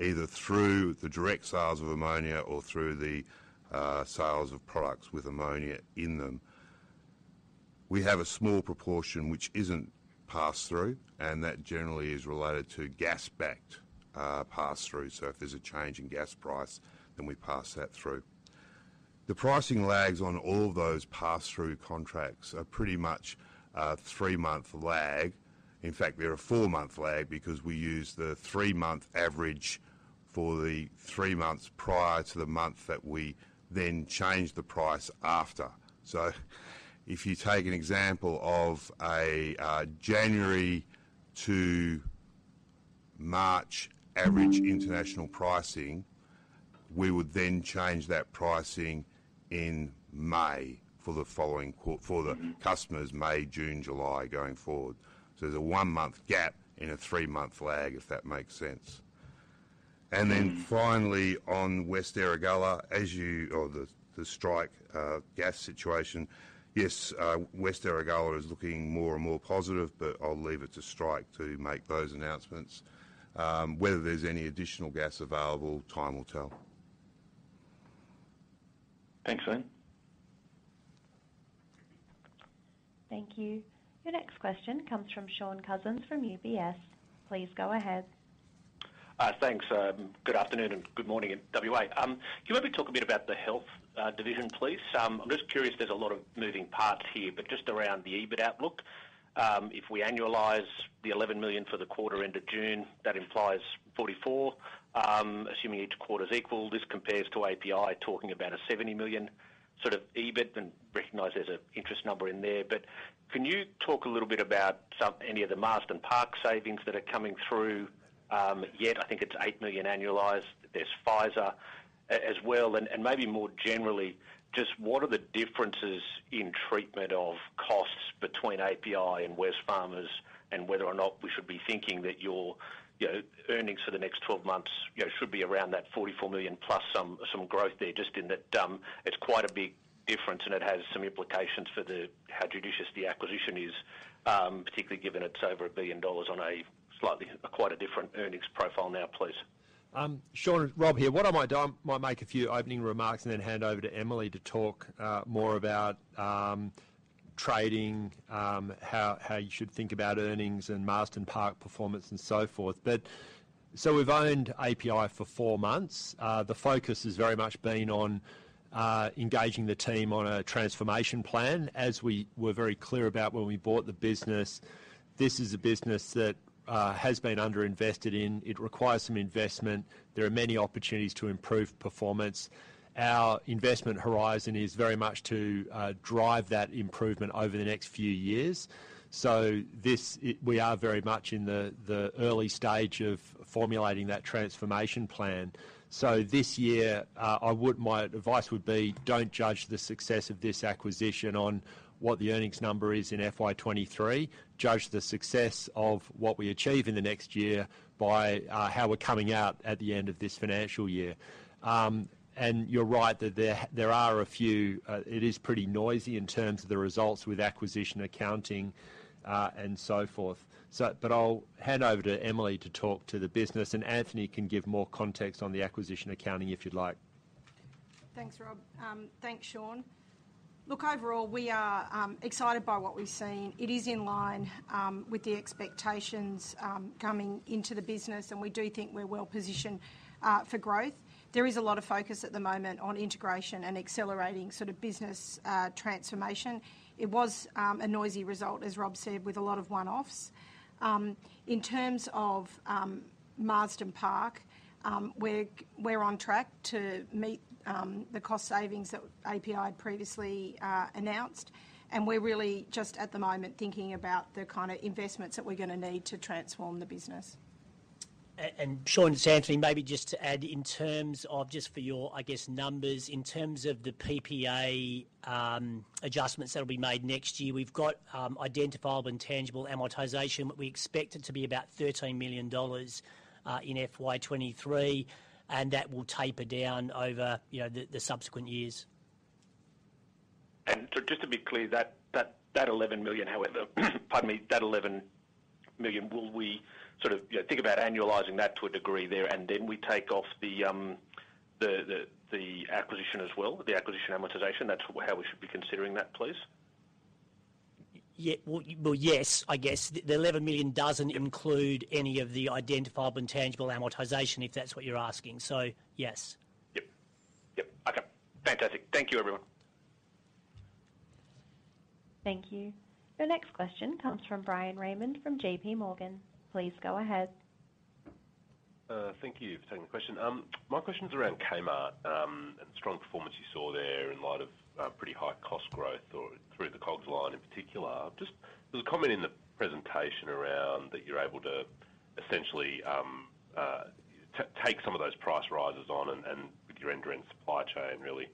either through the direct sales of ammonia or through the sales of products with ammonia in them. We have a small proportion which isn't pass-through, and that generally is related to gas-backed pass-through. So if there's a change in gas price, then we pass that through. The pricing lags on all of those pass-through contracts are pretty much a three-month lag. In fact, they're a four-month lag because we use the three-month average for the three months prior to the month that we then change the price after. If you take an example of a January to March average international pricing, we would then change that pricing in May for the customers May, June, July going forward. There's a one month gap in a 3-month lag, if that makes sense. Mm-hmm. Finally, on West Erregulla, or the Strike gas situation, yes, West Erregulla is looking more and more positive, but I'll leave it to Strike to make those announcements. Whether there's any additional gas available, time will tell. Thanks, Ian. Thank you. Your next question comes from Shaun Cousins from UBS. Please go ahead. Thanks. Good afternoon, and good morning in WA. Can you maybe talk a bit about the Health division, please? I'm just curious, there's a lot of moving parts here, but just around the EBIT outlook, if we annualize the 11 million for the quarter end of June, that implies 44 million, assuming each quarter is equal. This compares to API talking about a 70 million sort of EBIT, and recognize there's an interest number in there. Can you talk a little bit about any of the Marsden Park savings that are coming through, yet? I think it's 8 million annualized. There's Pfizer as well. Maybe more generally, just what are the differences in treatment of costs between API and Wesfarmers and whether or not we should be thinking that your, you know, earnings for the next 12 months, you know, should be around 44 million+ some growth there? Just in that, it's quite a big difference, and it has some implications for how judicious the acquisition is, particularly given it's over 1 billion dollars on a slightly, quite a different earnings profile now, please. Shaun, Rob here. What I might do, I might make a few opening remarks and then hand over to Emily to talk more about trading, how you should think about earnings and Marsden Park performance and so forth. We've owned API for four months. The focus has very much been on engaging the team on a transformation plan. As we were very clear about when we bought the business, this is a business that has been underinvested in. It requires some investment. There are many opportunities to improve performance. Our investment horizon is very much to drive that improvement over the next few years. We are very much in the early stage of formulating that transformation plan. This year, my advice would be don't judge the success of this acquisition on what the earnings number is in FY 2023. Judge the success of what we achieve in the next year by how we're coming out at the end of this financial year. You're right that there are a few. It is pretty noisy in terms of the results with acquisition accounting, and so forth. I'll hand over to Emily to talk to the business, and Anthony can give more context on the acquisition accounting, if you'd like. Thanks, Rob. Thanks, Shaun. Look, overall, we are excited by what we've seen. It is in line with the expectations coming into the business, and we do think we're well-positioned for growth. There is a lot of focus at the moment on integration and accelerating sort of business transformation. It was a noisy result, as Rob said, with a lot of one-offs. In terms of Marsden Park, we're on track to meet the cost savings that API previously announced. We're really just at the moment thinking about the kinda investments that we're gonna need to transform the business. Shaun, it's Anthony. Maybe just to add in terms of just for your, I guess, numbers, in terms of the PPA adjustments that'll be made next year, we've got identifiable and tangible amortization. We expect it to be about 13 million dollars in FY 2023, and that will taper down over, you know, the subsequent years. Just to be clear, that 11 million, however, pardon me, that 11 million, will we sort of, you know, think about annualizing that to a degree there, and then we take off the acquisition as well, the acquisition amortization? That's how we should be considering that, please? Well, yes. I guess the 11 million doesn't include any of the identifiable tangible amortization, if that's what you're asking. Yes. Yep. Okay, fantastic. Thank you, everyone. Thank you. Your next question comes from Bryan Raymond from JPMorgan. Please go ahead. Thank you for taking the question. My question's around Kmart, and the strong performance you saw there in light of pretty high cost growth or through the COGS line in particular. Just there's a comment in the presentation around that you're able to essentially take some of those price rises on and, with your end-to-end supply chain really,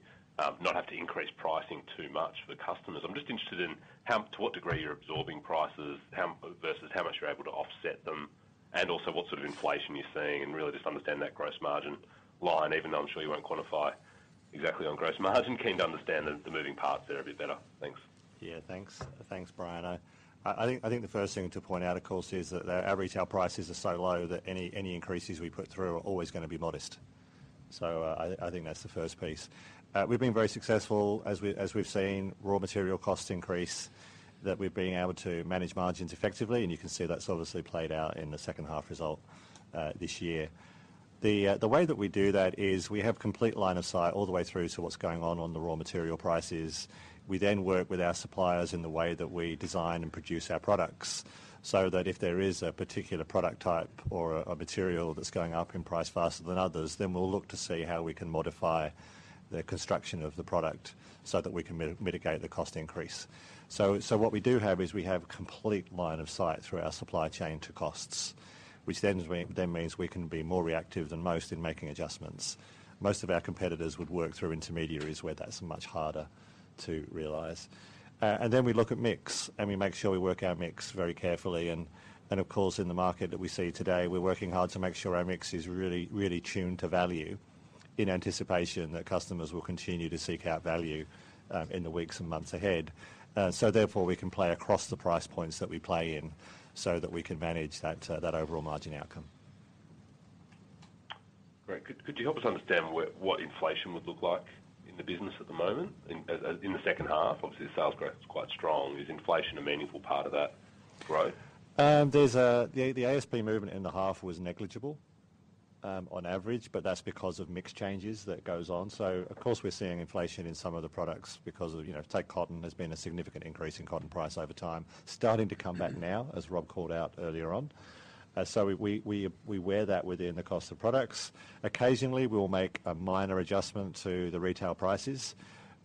not have to increase pricing too much for the customers. I'm just interested in how, to what degree you're absorbing prices, how, versus how much you're able to offset them, and also what sort of inflation you're seeing, and really just understand that gross margin line, even though I'm sure you won't quantify exactly on gross margin. Keen to understand the moving parts there a bit better. Thanks. Yeah, thanks. Thanks, Bryan. I think the first thing to point out, of course, is that our retail prices are so low that any increases we put through are always gonna be modest. I think that's the first piece. We've been very successful as we've seen raw material costs increase that we've been able to manage margins effectively, and you can see that's obviously played out in the second half result this year. The way that we do that is we have complete line of sight all the way through to what's going on the raw material prices. We then work with our suppliers in the way that we design and produce our products so that if there is a particular product type or a material that's going up in price faster than others, then we'll look to see how we can modify the construction of the product so that we can mitigate the cost increase. So what we do have is we have complete line of sight through our supply chain to costs, which then means we can be more reactive than most in making adjustments. Most of our competitors would work through intermediaries where that's much harder to realize. And then we look at mix, and we make sure we work our mix very carefully. Of course, in the market that we see today, we're working hard to make sure our mix is really tuned to value in anticipation that customers will continue to seek out value in the weeks and months ahead. Therefore, we can play across the price points that we play in so that we can manage that overall margin outcome. Great. Could you help us understand what inflation would look like in the business at the moment? In the second half, obviously, the sales growth is quite strong. Is inflation a meaningful part of that growth? The ASP movement in the half was negligible, on average, but that's because of mix changes that goes on. Of course, we're seeing inflation in some of the products because of, you know, take cotton, there's been a significant increase in cotton price over time. Starting to come back now, as Rob called out earlier on. We wear that within the cost of products. Occasionally, we'll make a minor adjustment to the retail prices,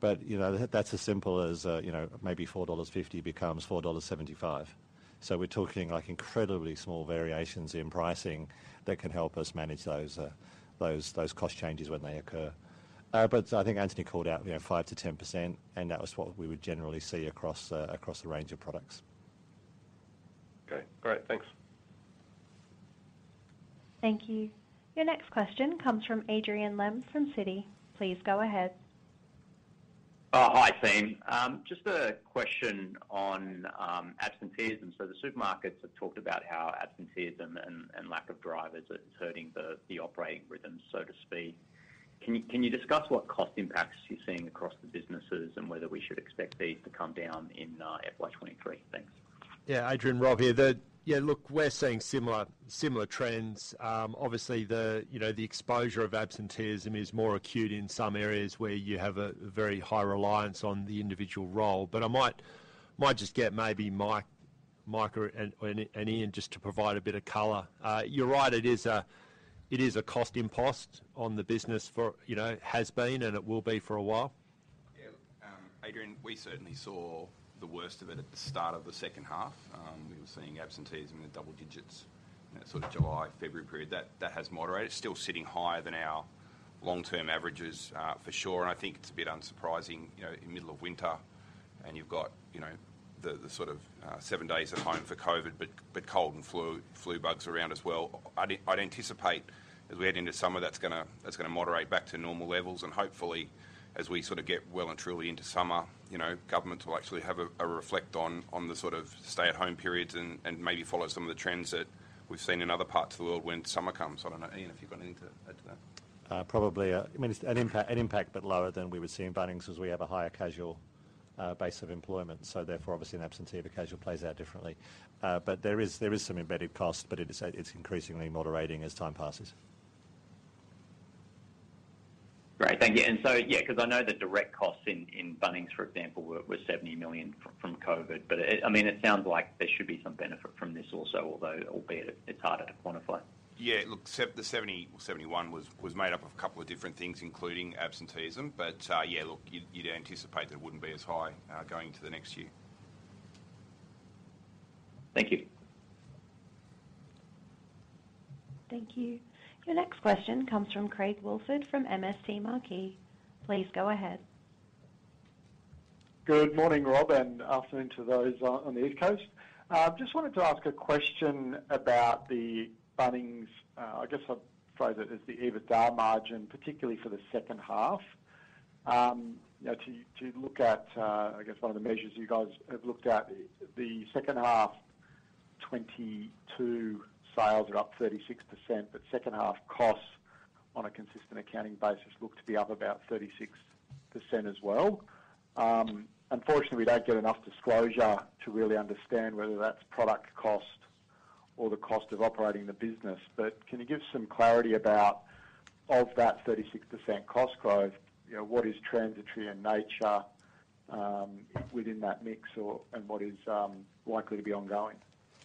but you know, that's as simple as, you know, maybe 4.50 dollars becomes 4.75 dollars. We're talking like incredibly small variations in pricing that can help us manage those cost changes when they occur. I think Anthony called out, you know, 5%-10%, and that was what we would generally see across the range of products. Okay, great. Thanks. Thank you. Your next question comes from Adrian Lemme from Citi. Please go ahead. Oh, hi team. Just a question on absenteeism. The supermarkets have talked about how absenteeism and lack of drivers is hurting the operating rhythm, so to speak. Can you discuss what cost impacts you're seeing across the businesses and whether we should expect these to come down in FY 2023? Thanks. Adrian, Rob here. Yeah, look, we're seeing similar trends. Obviously, you know, the exposure of absenteeism is more acute in some areas where you have a very high reliance on the individual role. But I might just get maybe Mike or Ian to provide a bit of color. You're right, it is a cost impost on the business for, you know, has been and it will be for a while. Yeah. Adrian, we certainly saw the worst of it at the start of the second half. We were seeing absenteeism in the double digits in that sort of July, February period. That has moderated. Still sitting higher than our long-term averages, for sure. I think it's a bit unsurprising, you know, in middle of winter and you've got, you know, the sort of seven days at home for COVID, but cold and flu bugs around as well. I'd anticipate as we head into summer, that's gonna moderate back to normal levels. Hopefully, as we sort of get well and truly into summer, you know, government will actually have a reflect on the sort of stay-at-home periods and maybe follow some of the trends that we've seen in other parts of the world when summer comes. I don't know, Ian, if you've got anything to add to that. Probably, I mean, it's an impact, but lower than we would see in Bunnings as we have a higher casual base of employment. Therefore, obviously, an absence of a casual plays out differently. But there is some embedded costs, but it's increasingly moderating as time passes. Great. Thank you. Yeah, 'cause I know the direct costs in Bunnings, for example, were 70 million from COVID. I mean, it sounds like there should be some benefit from this also. Although, albeit it's harder to quantify. Yeah. Look, the 70 million, 71 million was made up of a couple of different things, including absenteeism. Yeah, look, you'd anticipate that it wouldn't be as high going into the next year. Thank you. Thank you. Your next question comes from Craig Woolford from MST Marquee. Please go ahead. Good morning, Rob, and afternoon to those on the East Coast. Just wanted to ask a question about the Bunnings. I guess I'd phrase it as the EBITDA margin, particularly for the second half. You know, to look at, I guess one of the measures you guys have looked at, the second half 2022 sales are up 36%, but second half costs on a consistent accounting basis look to be up about 36% as well. Unfortunately we don't get enough disclosure to really understand whether that's product cost or the cost of operating the business. Can you give some clarity about, of that 36% cost growth, you know, what is transitory in nature, within that mix or, and what is, likely to be ongoing?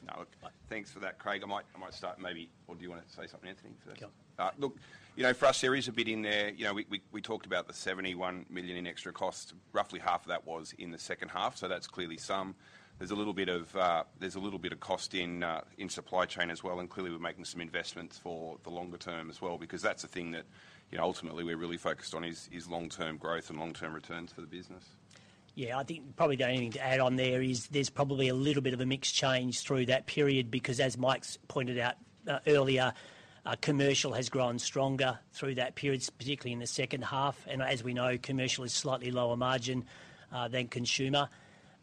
No, look, thanks for that, Craig. I might start maybe. Or do you wanna say something, Anthony, first? Sure. Look, you know, for us, there is a bit in there. You know, we talked about the 71 million in extra cost. Roughly half of that was in the second half, so that's clearly some. There's a little bit of cost in supply chain as well, and clearly we're making some investments for the longer-term as well, because that's a thing that, you know, ultimately we're really focused on, is long-term growth and long-term returns for the business. Yeah. I think probably the only thing to add on there is there's probably a little bit of a mix change through that period because as Mike's pointed out, earlier, commercial has grown stronger through that period, particularly in the second half. As we know, commercial is slightly lower margin than consumer.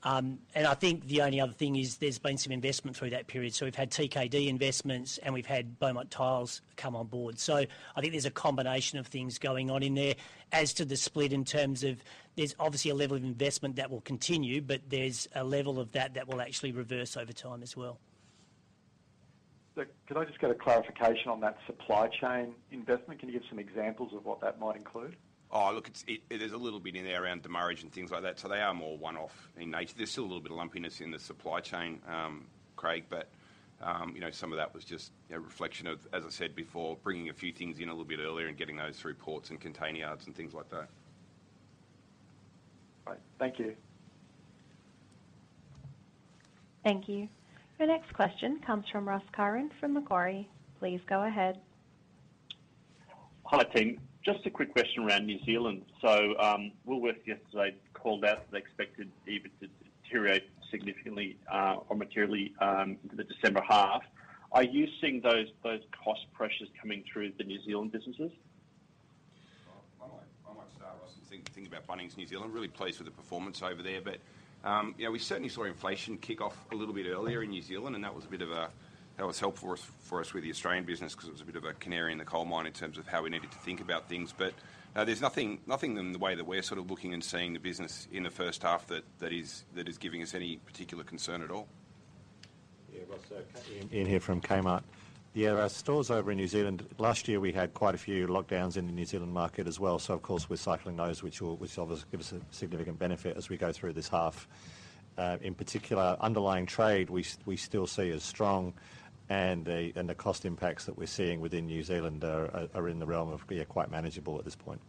I think the only other thing is there's been some investment through that period. We've had TKD investments and we've had Beaumont Tiles come on board. I think there's a combination of things going on in there. As to the split in terms of, there's obviously a level of investment that will continue, but there's a level of that that will actually reverse over time as well. Look, could I just get a clarification on that supply chain investment? Can you give some examples of what that might include? Oh, look, it is a little bit in there around demurrage and things like that, so they are more one-off in nature. There's still a little bit of lumpiness in the supply chain, Craig, but, you know, some of that was just a reflection of, as I said before, bringing a few things in a little bit earlier and getting those through ports and container yards and things like that. All right. Thank you. Thank you. The next question comes from Ross Curran from Macquarie. Please go ahead. Hi, team. Just a quick question around New Zealand. Woolworths yesterday called out that they expected EBIT to deteriorate significantly, or materially, the December half. Are you seeing those cost pressures coming through the New Zealand businesses? Well, I might start, Ross, and think about Bunnings New Zealand. Really pleased with the performance over there. You know, we certainly saw inflation kick off a little bit earlier in New Zealand, and that was helpful for us with the Australian business 'cause it was a bit of a canary in the coal mine in terms of how we needed to think about things. There's nothing in the way that we're sort of looking and seeing the business in the first half that is giving us any particular concern at all. Yeah, Ross, Ian here from Kmart. Yeah, our stores over in New Zealand, last year we had quite a few lockdowns in the New Zealand market as well, so of course we're cycling those, which obviously give us a significant benefit as we go through this half. In particular, underlying trade we still see as strong and the cost impacts that we're seeing within New Zealand are in the realm of, yeah, quite manageable at this point.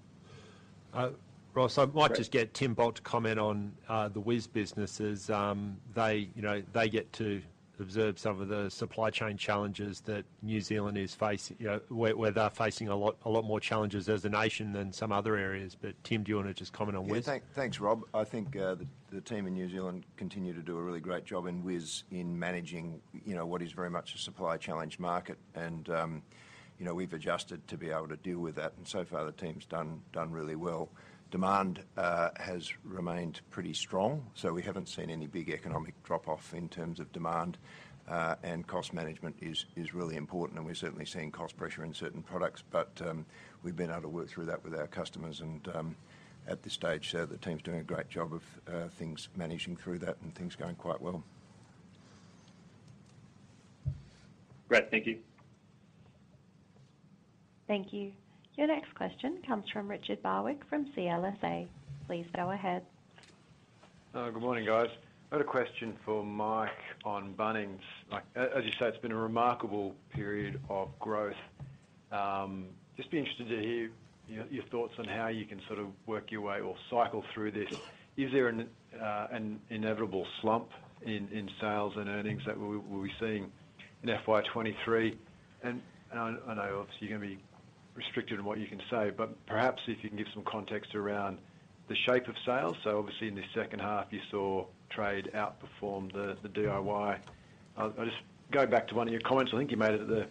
Ross, I might just get Tim Bult to comment on the WIS businesses. They, you know, they get to observe some of the supply chain challenges that New Zealand is facing. You know, where they're facing a lot more challenges as a nation than some other areas. Tim, do you wanna just comment on WIS? Yeah. Thanks, Rob. I think the team in New Zealand continues to do a really great job in WIS in managing, you know, what is very much a supply challenged market. We've adjusted to be able to deal with that, and so far the team's done really well. Demand has remained pretty strong, so we haven't seen any big economic drop-off in terms of demand. Cost management is really important, and we're certainly seeing cost pressure in certain products. We've been able to work through that with our customers and, at this stage, so the team's doing a great job of managing through that and things are going quite well. Great. Thank you. Thank you. Your next question comes from Richard Barwick from CLSA. Please go ahead. Good morning, guys. I got a question for Mike on Bunnings. Like, as you say, it's been a remarkable period of growth. Just be interested to hear your thoughts on how you can sort of work your way or cycle through this. Is there an inevitable slump in sales and earnings that we'll be seeing in FY 2023? I know obviously you're gonna be restricted in what you can say, but perhaps if you can give some context around the shape of sales. Obviously in the second half you saw trade outperform the DIY. I'll just go back to one of your comments I think you made it at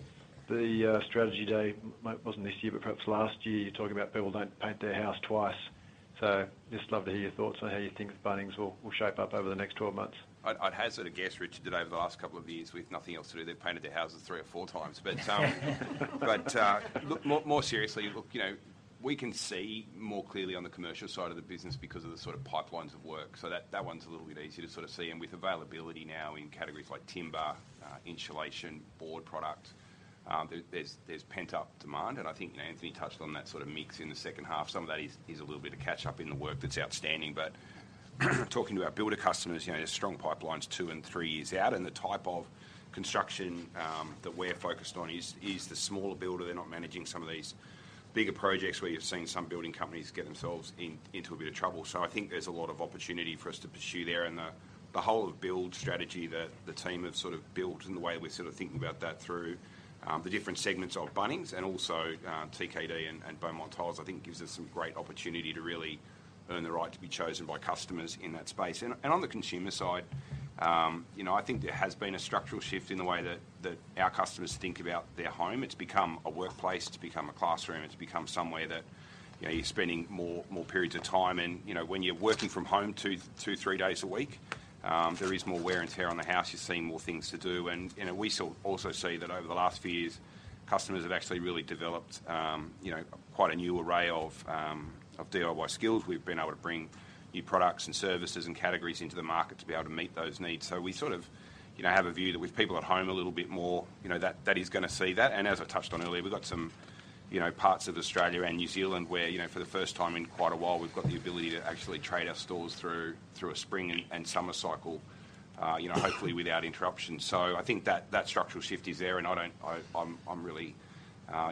the strategy day. Mightn't this year, but perhaps last year, you talking about people don't paint their house twice. Just love to hear your thoughts on how you think Bunnings will shape up over the next 12 months. I'd hazard a guess, Richard, that over the last couple of years with nothing else to do, they've painted their houses 3x or 4x. Look, more seriously, look, you know, we can see more clearly on the commercial side of the business because of the sort of pipelines of work. That one's a little bit easier to sort of see. With availability now in categories like timber, insulation, board product, there's pent-up demand and I think Anthony touched on that sort of mix in the second half. Some of that is a little bit of catch up in the work that's outstanding. Talking to our builder customers, you know, there's strong pipelines 2 and 3 years out, and the type of construction that we're focused on is the smaller builder. They're not managing some of these bigger projects where you've seen some building companies get themselves in, into a bit of trouble. I think there's a lot of opportunity for us to pursue there. The whole of build strategy that the team have sort of built and the way we're sort of thinking about that through the different segments of Bunnings and also TKD and Beaumont Tiles, I think gives us some great opportunity to really. Earn the right to be chosen by customers in that space. On the consumer side, you know, I think there has been a structural shift in the way that our customers think about their home. It's become a workplace, it's become a classroom, it's become somewhere that, you know, you're spending more periods of time. You know, when you're working from home 2-3 days a week, there is more wear and tear on the house. You're seeing more things to do. You know, we sort of also see that over the last few years, customers have actually really developed, you know, quite a new array of DIY skills. We've been able to bring new products and services and categories into the market to be able to meet those needs. We sort of, you know, have a view that with people at home a little bit more, you know, that is gonna see that. As I touched on earlier, we've got some, you know, parts of Australia and New Zealand where, you know, for the first time in quite a while, we've got the ability to actually trade our stores through a spring and summer cycle, you know, hopefully without interruption. I think that structural shift is there, and I'm really,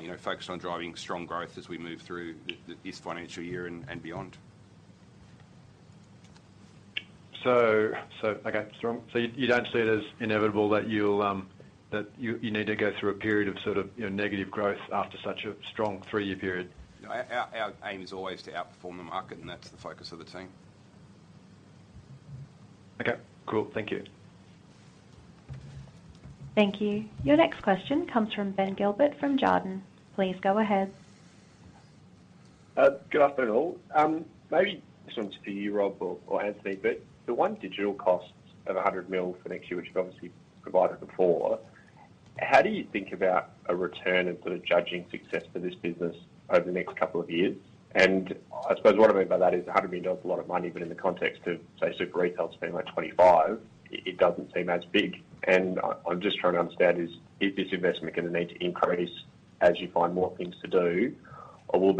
you know, focused on driving strong growth as we move through this financial year and beyond. Okay. Strong. You don't see it as inevitable that you need to go through a period of sort of, you know, negative growth after such a strong three-year period? Our aim is always to outperform the market, and that's the focus of the team. Okay, cool. Thank you. Thank you. Your next question comes from Ben Gilbert from Jarden. Please go ahead. Good afternoon, all. Maybe this one's for you, Rob or Anthony, but the OneDigital cost of 100 million for next year, which you've obviously provided before, how do you think about a return and sort of judging success for this business over the next couple of years? I suppose what I mean by that is 100 million dollars is a lot of money, but in the context of, say, Super Retail spending like 25 million, it doesn't seem as big. I'm just trying to understand is this investment gonna need to increase as you find more things to do or will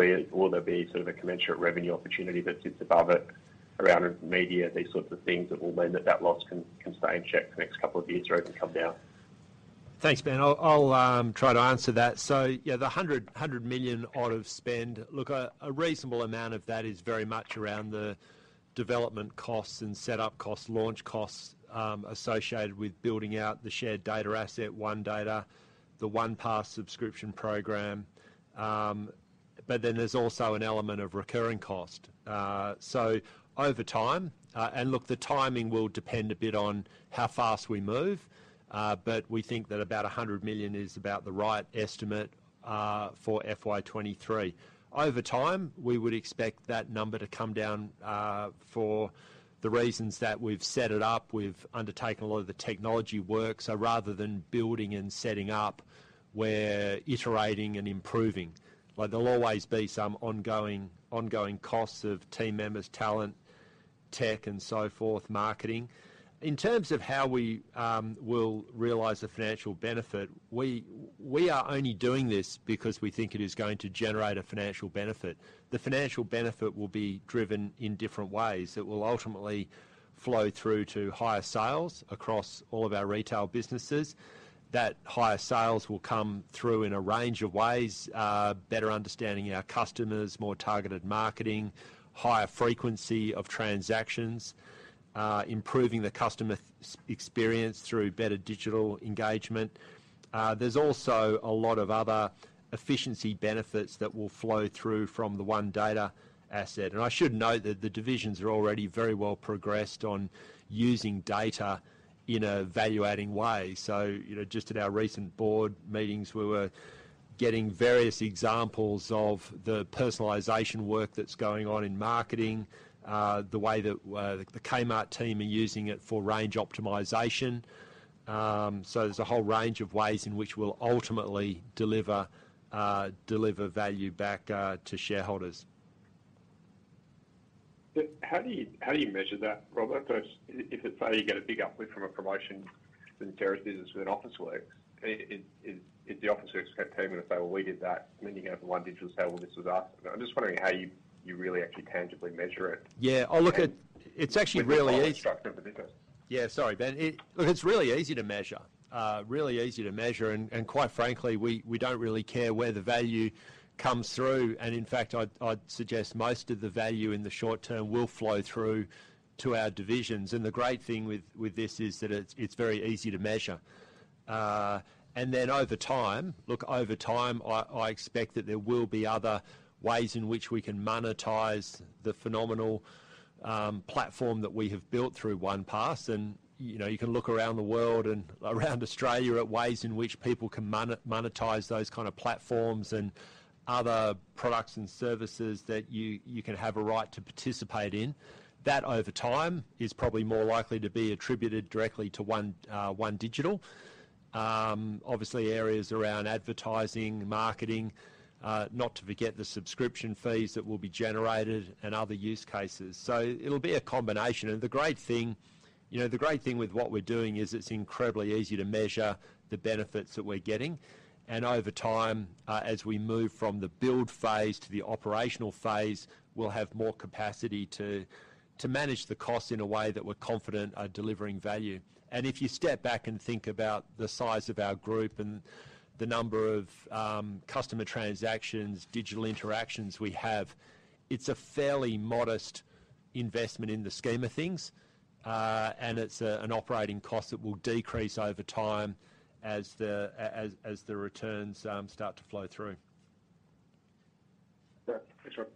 there be sort of a commensurate revenue opportunity that sits above it around media, these sorts of things that will mean that that loss can stay in check for the next couple of years or even come down? Thanks, Ben. I'll try to answer that. A reasonable amount of that is very much around the development costs and setup costs, launch costs, associated with building out the shared data asset, OneData, the OnePass subscription program. But then there's also an element of recurring cost. Over time, the timing will depend a bit on how fast we move, but we think that about 100 million is about the right estimate for FY 2023. Over time, we would expect that number to come down for the reasons that we've set it up, we've undertaken a lot of the technology work. Rather than building and setting up, we're iterating and improving. Like, there'll always be some ongoing costs of team members, talent, tech, and so forth, marketing. In terms of how we will realize the financial benefit, we are only doing this because we think it is going to generate a financial benefit. The financial benefit will be driven in different ways. It will ultimately flow through to higher sales across all of our retail businesses. That higher sales will come through in a range of ways, better understanding our customers, more targeted marketing, higher frequency of transactions, improving the customer experience through better digital engagement. There's also a lot of other efficiency benefits that will flow through from the OneData asset. I should note that the divisions are already very well progressed on using data in a value-adding way. You know, just at our recent board meetings, we were getting various examples of the personalization work that's going on in marketing, the way that the Kmart team are using it for range optimization. There's a whole range of ways in which we'll ultimately deliver value back to shareholders. How do you measure that, Rob? At first, if say you get a big uplift from a promotion in the retail business with Officeworks, is if the Officeworks team are gonna say, Well, we did that, and then you go to OneDigital and say, "Well, this was us." I'm just wondering how you really actually tangibly measure it. Yeah. Oh, look, it's actually really easy. With the product structure of the business. Yeah, sorry, Ben. Look, it's really easy to measure. Quite frankly, we don't really care where the value comes through. In fact, I'd suggest most of the value in the short-term will flow through to our divisions. The great thing with this is that it's very easy to measure. Then over time, I expect that there will be other ways in which we can monetize the phenomenal platform that we have built through OnePass. You know, you can look around the world and around Australia at ways in which people can monetize those kind of platforms and other products and services that you can have a right to participate in. That, over time, is probably more likely to be attributed directly to OneDigital. Obviously are as around advertising, marketing, not to forget the subscription fees that will be generated and other use cases. It'll be a combination. The great thing, you know, with what we're doing is it's incredibly easy to measure the benefits that we're getting. Over time, as we move from the build phase to the operational phase, we'll have more capacity to manage the costs in a way that we're confident are delivering value. If you step back and think about the size of our group and the number of customer transactions, digital interactions we have, it's a fairly modest investment in the scheme of things, and it's an operating cost that will decrease over time as the returns start to flow through. Yeah. Thanks, Rob.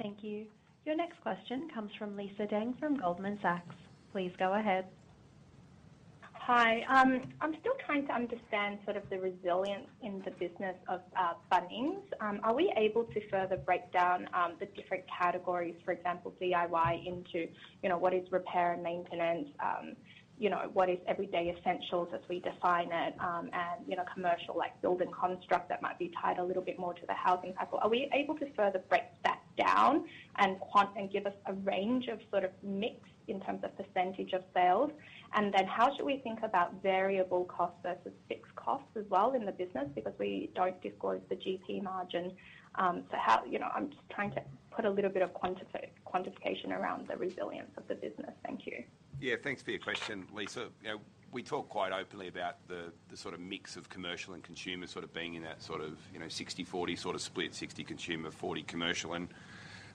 Thank you. Your next question comes from Lisa Deng from Goldman Sachs. Please go ahead. Hi. I'm still trying to understand sort of the resilience in the business of Bunnings. Are we able to further break down the different categories, for example, DIY into, you know, what is repair and maintenance? You know, what is everyday essentials as we define it? And, you know, commercial, like build and construct that might be tied a little bit more to the housing cycle. Are we able to further break that down and quantify and give us a range of sort of mix in terms of percentage of sales? And then how should we think about variable costs versus fixed costs as well in the business? Because we don't disclose the GP margin. So, you know, I'm just trying to put a little bit of quantification around the resilience of the business. Thank you. Yeah, thanks for your question, Lisa. You know, we talk quite openly about the sort of mix of commercial and consumer sort of being in that sort of, you know, 60/40 sort of split, 60 consumer, 40 commercial.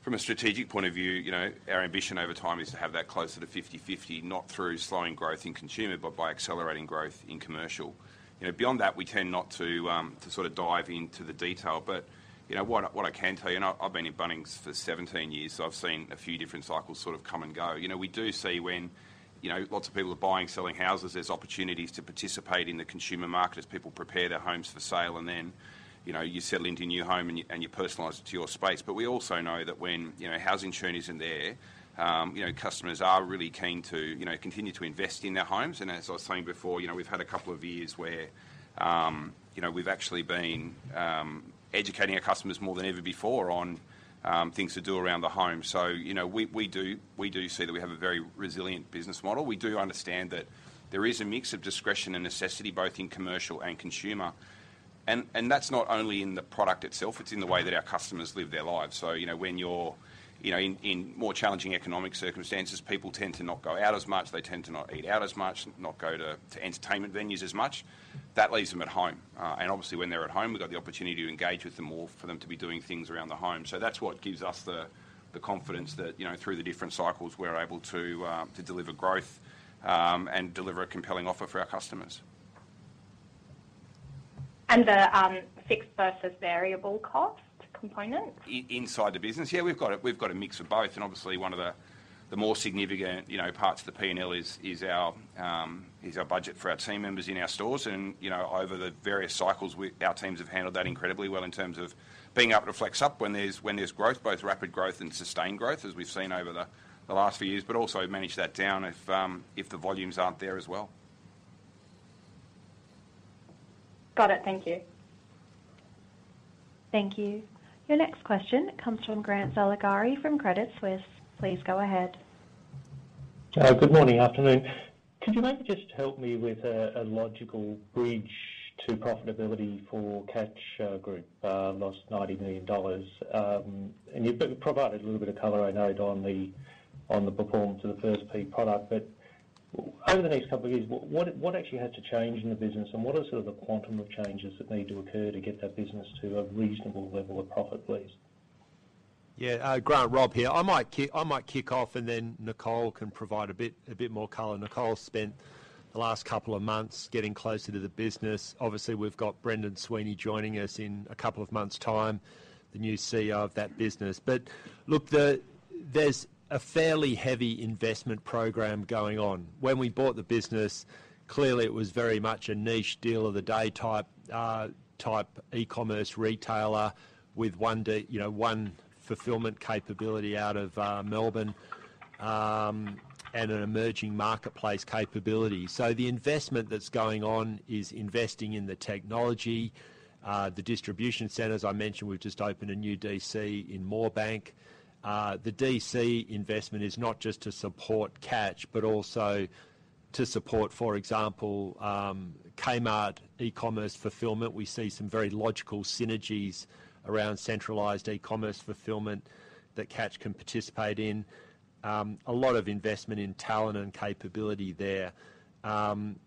From a strategic point of view, you know, our ambition over time is to have that closer to 50/50, not through slowing growth in consumer, but by accelerating growth in commercial. You know, beyond that, we tend not to sort of dive into the detail. You know, what I can tell you, and I've been in Bunnings for 17 years, so I've seen a few different cycles sort of come and go. You know, we do see when, you know, lots of people are buying, selling houses, there's opportunities to participate in the consumer market as people prepare their homes for sale, and then, you know, you settle into your new home and you personalize it to your space. We also know that when, you know, housing churn isn't there, you know, customers are really keen to, you know, continue to invest in their homes. As I was saying before, you know, we've had a couple of years where, you know, we've actually been educating our customers more than ever before on things to do around the home. You know, we do see that we have a very resilient business model. We do understand that there is a mix of discretion and necessity both in commercial and consumer. That's not only in the product itself, it's in the way that our customers live their lives. You know, when you're, you know, in more challenging economic circumstances, people tend to not go out as much, they tend to not eat out as much, not go to entertainment venues as much. That leaves them at home. Obviously when they're at home, we've got the opportunity to engage with them more for them to be doing things around the home. That's what gives us the confidence that, you know, through the different cycles, we're able to deliver growth, and deliver a compelling offer for our customers. The fixed versus variable cost component? Inside the business? Yeah, we've got a mix of both, and obviously one of the more significant, you know, parts of the P&L is our budget for our team members in our stores. You know, over the various cycles, our teams have handled that incredibly well in terms of being able to flex up when there's growth, both rapid growth and sustained growth as we've seen over the last few years, but also manage that down if the volumes aren't there as well. Got it. Thank you. Thank you. Your next question comes from Grant Saligari from Credit Suisse. Please go ahead. Good morning, afternoon. Could you maybe just help me with a logical bridge to profitability for Catch? Lost 90 million dollars, and you've provided a little bit of color I know on the performance of the first-party product. Over the next couple of years, what actually has to change in the business and what are sort of the quantum of changes that need to occur to get that business to a reasonable level of profit, please? Grant, Rob here. I might kick off and then Nicole can provide a bit more color. Nicole spent the last couple of months getting closer to the business. Obviously, we've got Brendan Sweeney joining us in a couple of months' time, the new CEO of that business. Look, there's a fairly heavy investment program going on. When we bought the business, clearly it was very much a niche deal of the day type e-commerce retailer with you know, one fulfillment capability out of Melbourne, and an emerging marketplace capability. The investment that's going on is investing in the technology, the distribution centers. I mentioned we've just opened a new DC in Moorebank. The DC investment is not just to support Catch, but also to support, for example, Kmart e-commerce fulfillment. We see some very logical synergies around centralized e-commerce fulfillment that Catch can participate in. A lot of investment in talent and capability there. The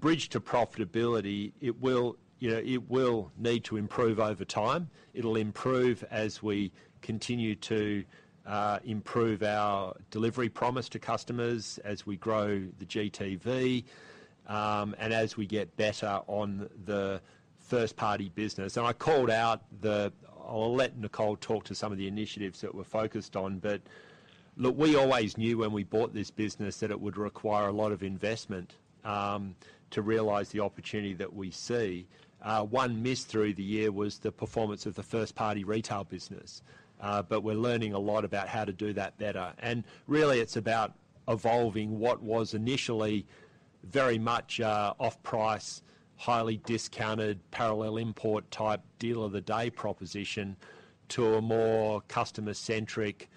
bridge to profitability, it will, you know, it will need to improve over time. It'll improve as we continue to improve our delivery promise to customers as we grow the GTV, and as we get better on the first party business. I'll let Nicole talk to some of the initiatives that we're focused on. Look, we always knew when we bought this business that it would require a lot of investment to realize the opportunity that we see. One miss through the year was the performance of the first party Retail business. We're learning a lot about how to do that better. Really, it's about evolving what was initially very much an off-price, highly discounted, parallel import type deal of the day proposition to a more customer-centric,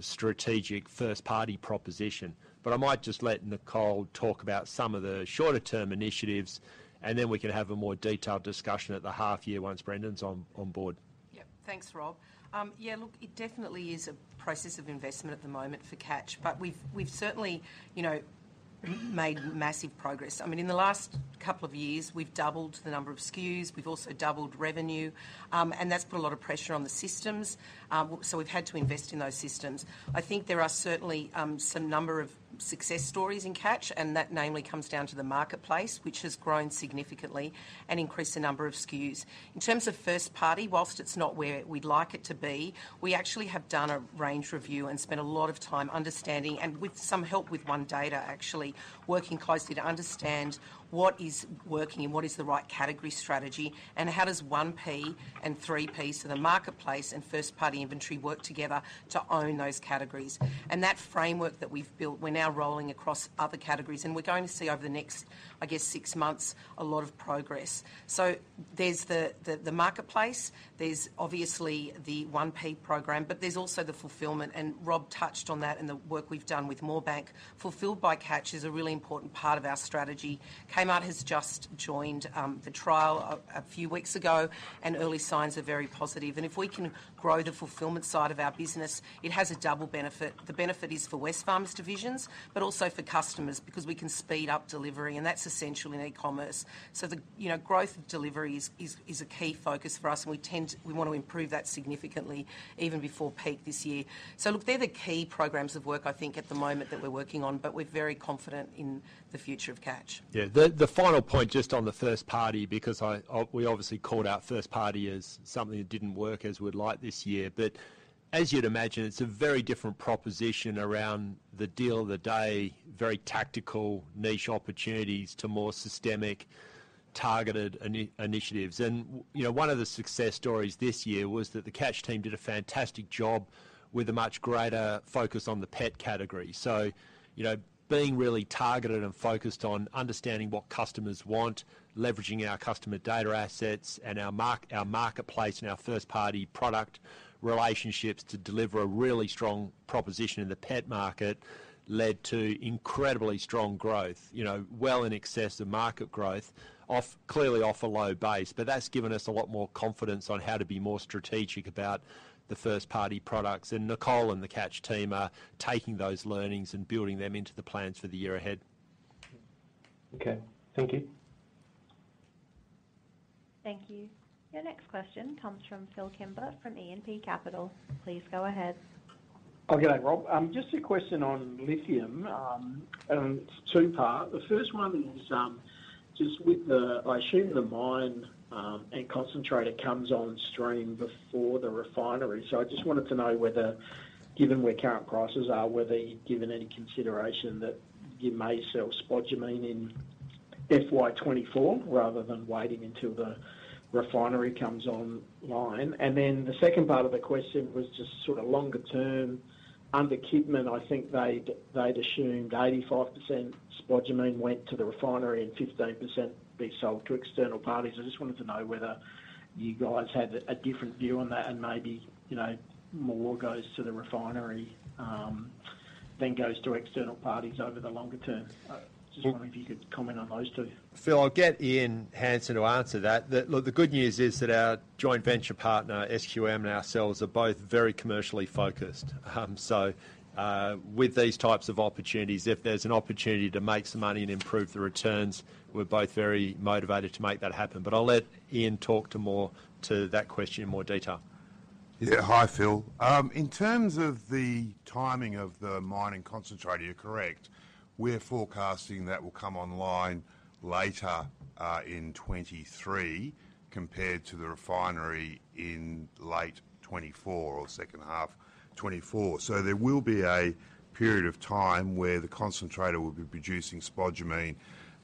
strategic first party proposition. But I might just let Nicole talk about some of the shorter term initiatives, and then we can have a more detailed discussion at the half year once Brendan's on board. Yep. Thanks, Rob. Yeah, look, it definitely is a process of investment at the moment for Catch, but we've certainly, you know. Made massive progress. I mean, in the last couple of years, we've doubled the number of SKUs, we've also doubled revenue, and that's put a lot of pressure on the systems. We've had to invest in those systems. I think there are certainly some number of success stories in Catch, and that namely comes down to the marketplace, which has grown significantly and increased the number of SKUs. In terms of first party, while it's not where we'd like it to be, we actually have done a range review and spent a lot of time understanding, and with some help with OneData actually, working closely to understand what is working and what is the right category strategy and how does one P and three Ps of the marketplace and first-party inventory work together to own those categories. That framework that we've built, we're now rolling across other categories, and we're going to see over the next, I guess, six months, a lot of progress. There's the marketplace, there's obviously the OnePass program, but there's also the fulfillment, and Rob touched on that and the work we've done with Moorebank. Fulfilled by Catch is a really important part of our strategy. Kmart has just joined the trial a few weeks ago, and early signs are very positive. If we can grow the fulfillment side of our business, it has a double benefit. The benefit is for Wesfarmers divisions, but also for customers because we can speed up delivery, and that's essential in e-commerce. The growth of delivery is a key focus for us, and we tend... We want to improve that significantly even before peak this year. Look, they're the key programs of work I think at the moment that we're working on, but we're very confident in the future of Catch. Yeah. The final point just on the first party, because we obviously called out first party as something that didn't work as we'd like this year. As you'd imagine, it's a very different proposition around the deal of the day, very tactical niche opportunities to more systemic targeted initiatives. You know, one of the success stories this year was that the Catch team did a fantastic job with a much greater focus on the pet category. You know, being really targeted and focused on understanding what customers want, leveraging our customer data assets and our marketplace and our first-party product relationships to deliver a really strong proposition in the pet market led to incredibly strong growth, well in excess of market growth off a low base. That's given us a lot more confidence on how to be more strategic about the first-party products. Nicole and the Catch team are taking those learnings and building them into the plans for the year ahead. Okay. Thank you. Thank you. Your next question comes from Phil Kimber from E&P Capital. Please go ahead. Oh, g'day, Rob. Just a question on lithium. It's two-part. The first one is just with the I assume the mine and concentrator comes on stream before the refinery. I just wanted to know whether, given where current prices are, whether you've given any consideration that you may sell spodumene in FY 2024 rather than waiting until the refinery comes online. The second part of the question was just sort of longer term. Under Kidman, I think they'd assumed 85% spodumene went to the refinery and 15% be sold to external parties. I just wanted to know whether you guys have a different view on that and maybe, you know, more goes to the refinery than goes to external parties over the longer-term. Just wondering if you could comment on those two. Phil, I'll get Ian Hansen to answer that. Look, the good news is that our joint venture partner, SQM, and ourselves are both very commercially focused. With these types of opportunities, if there's an opportunity to make some money and improve the returns, we're both very motivated to make that happen. I'll let Ian talk more to that question in more detail. Yeah. Hi, Phil. In terms of the timing of the mine and concentrator, you're correct. We're forecasting that will come online later in 2023 compared to the refinery in late 2024 or second half 2024. There will be a period of time where the concentrator will be producing spodumene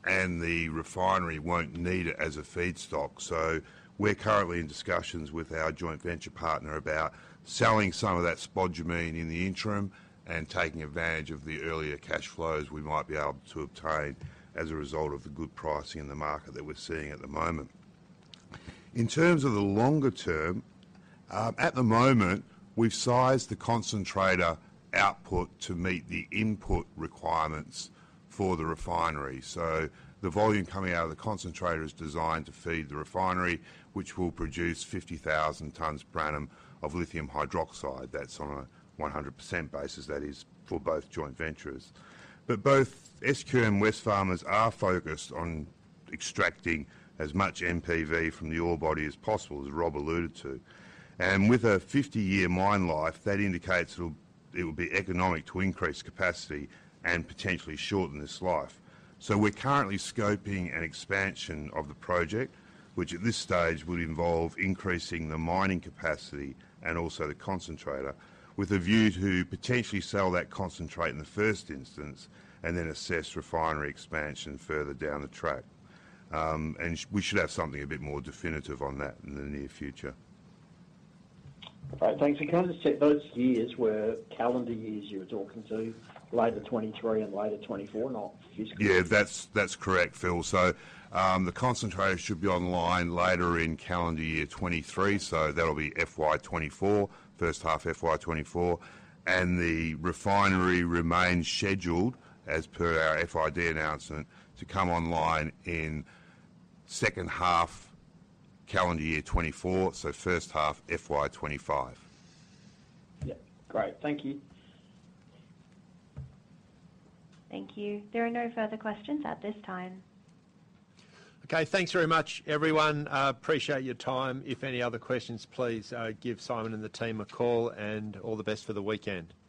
and the refinery won't need it as a feedstock. We're currently in discussions with our joint venture partner about selling some of that spodumene in the interim and taking advantage of the earlier cash flows we might be able to obtain as a result of the good pricing in the market that we're seeing at the moment. In terms of the longer-term, at the moment, we've sized the concentrator output to meet the input requirements for the refinery. The volume coming out of the concentrator is designed to feed the refinery, which will produce 50,000 tons per annum of lithium hydroxide. That's on a 100% basis. That is for both joint venturers. Both SQM and Wesfarmers are focused on extracting as much NPV from the ore body as possible, as Rob alluded to. With a 50-year mine life, that indicates it'll be economic to increase capacity and potentially shorten this life. We're currently scoping an expansion of the project, which at this stage will involve increasing the mining capacity and also the concentrator, with a view to potentially sell that concentrate in the first instance and then assess refinery expansion further down the track. We should have something a bit more definitive on that in the near future. All right. Thanks. Can I just check, those years were calendar years you were talking to, latter 2023 and latter 2024, not fiscal? Yeah, that's correct, Phil. The concentrator should be online later in calendar year 2023, so that'll be FY 2024, first half FY 2024. The refinery remains scheduled, as per our FID announcement, to come online in second half calendar year 2024, so first half FY 2025. Yeah. Great. Thank you. Thank you. There are no further questions at this time. Okay. Thanks very much, everyone. Appreciate your time. If any other questions, please, give Simon and the team a call, and all the best for the weekend. Thank you.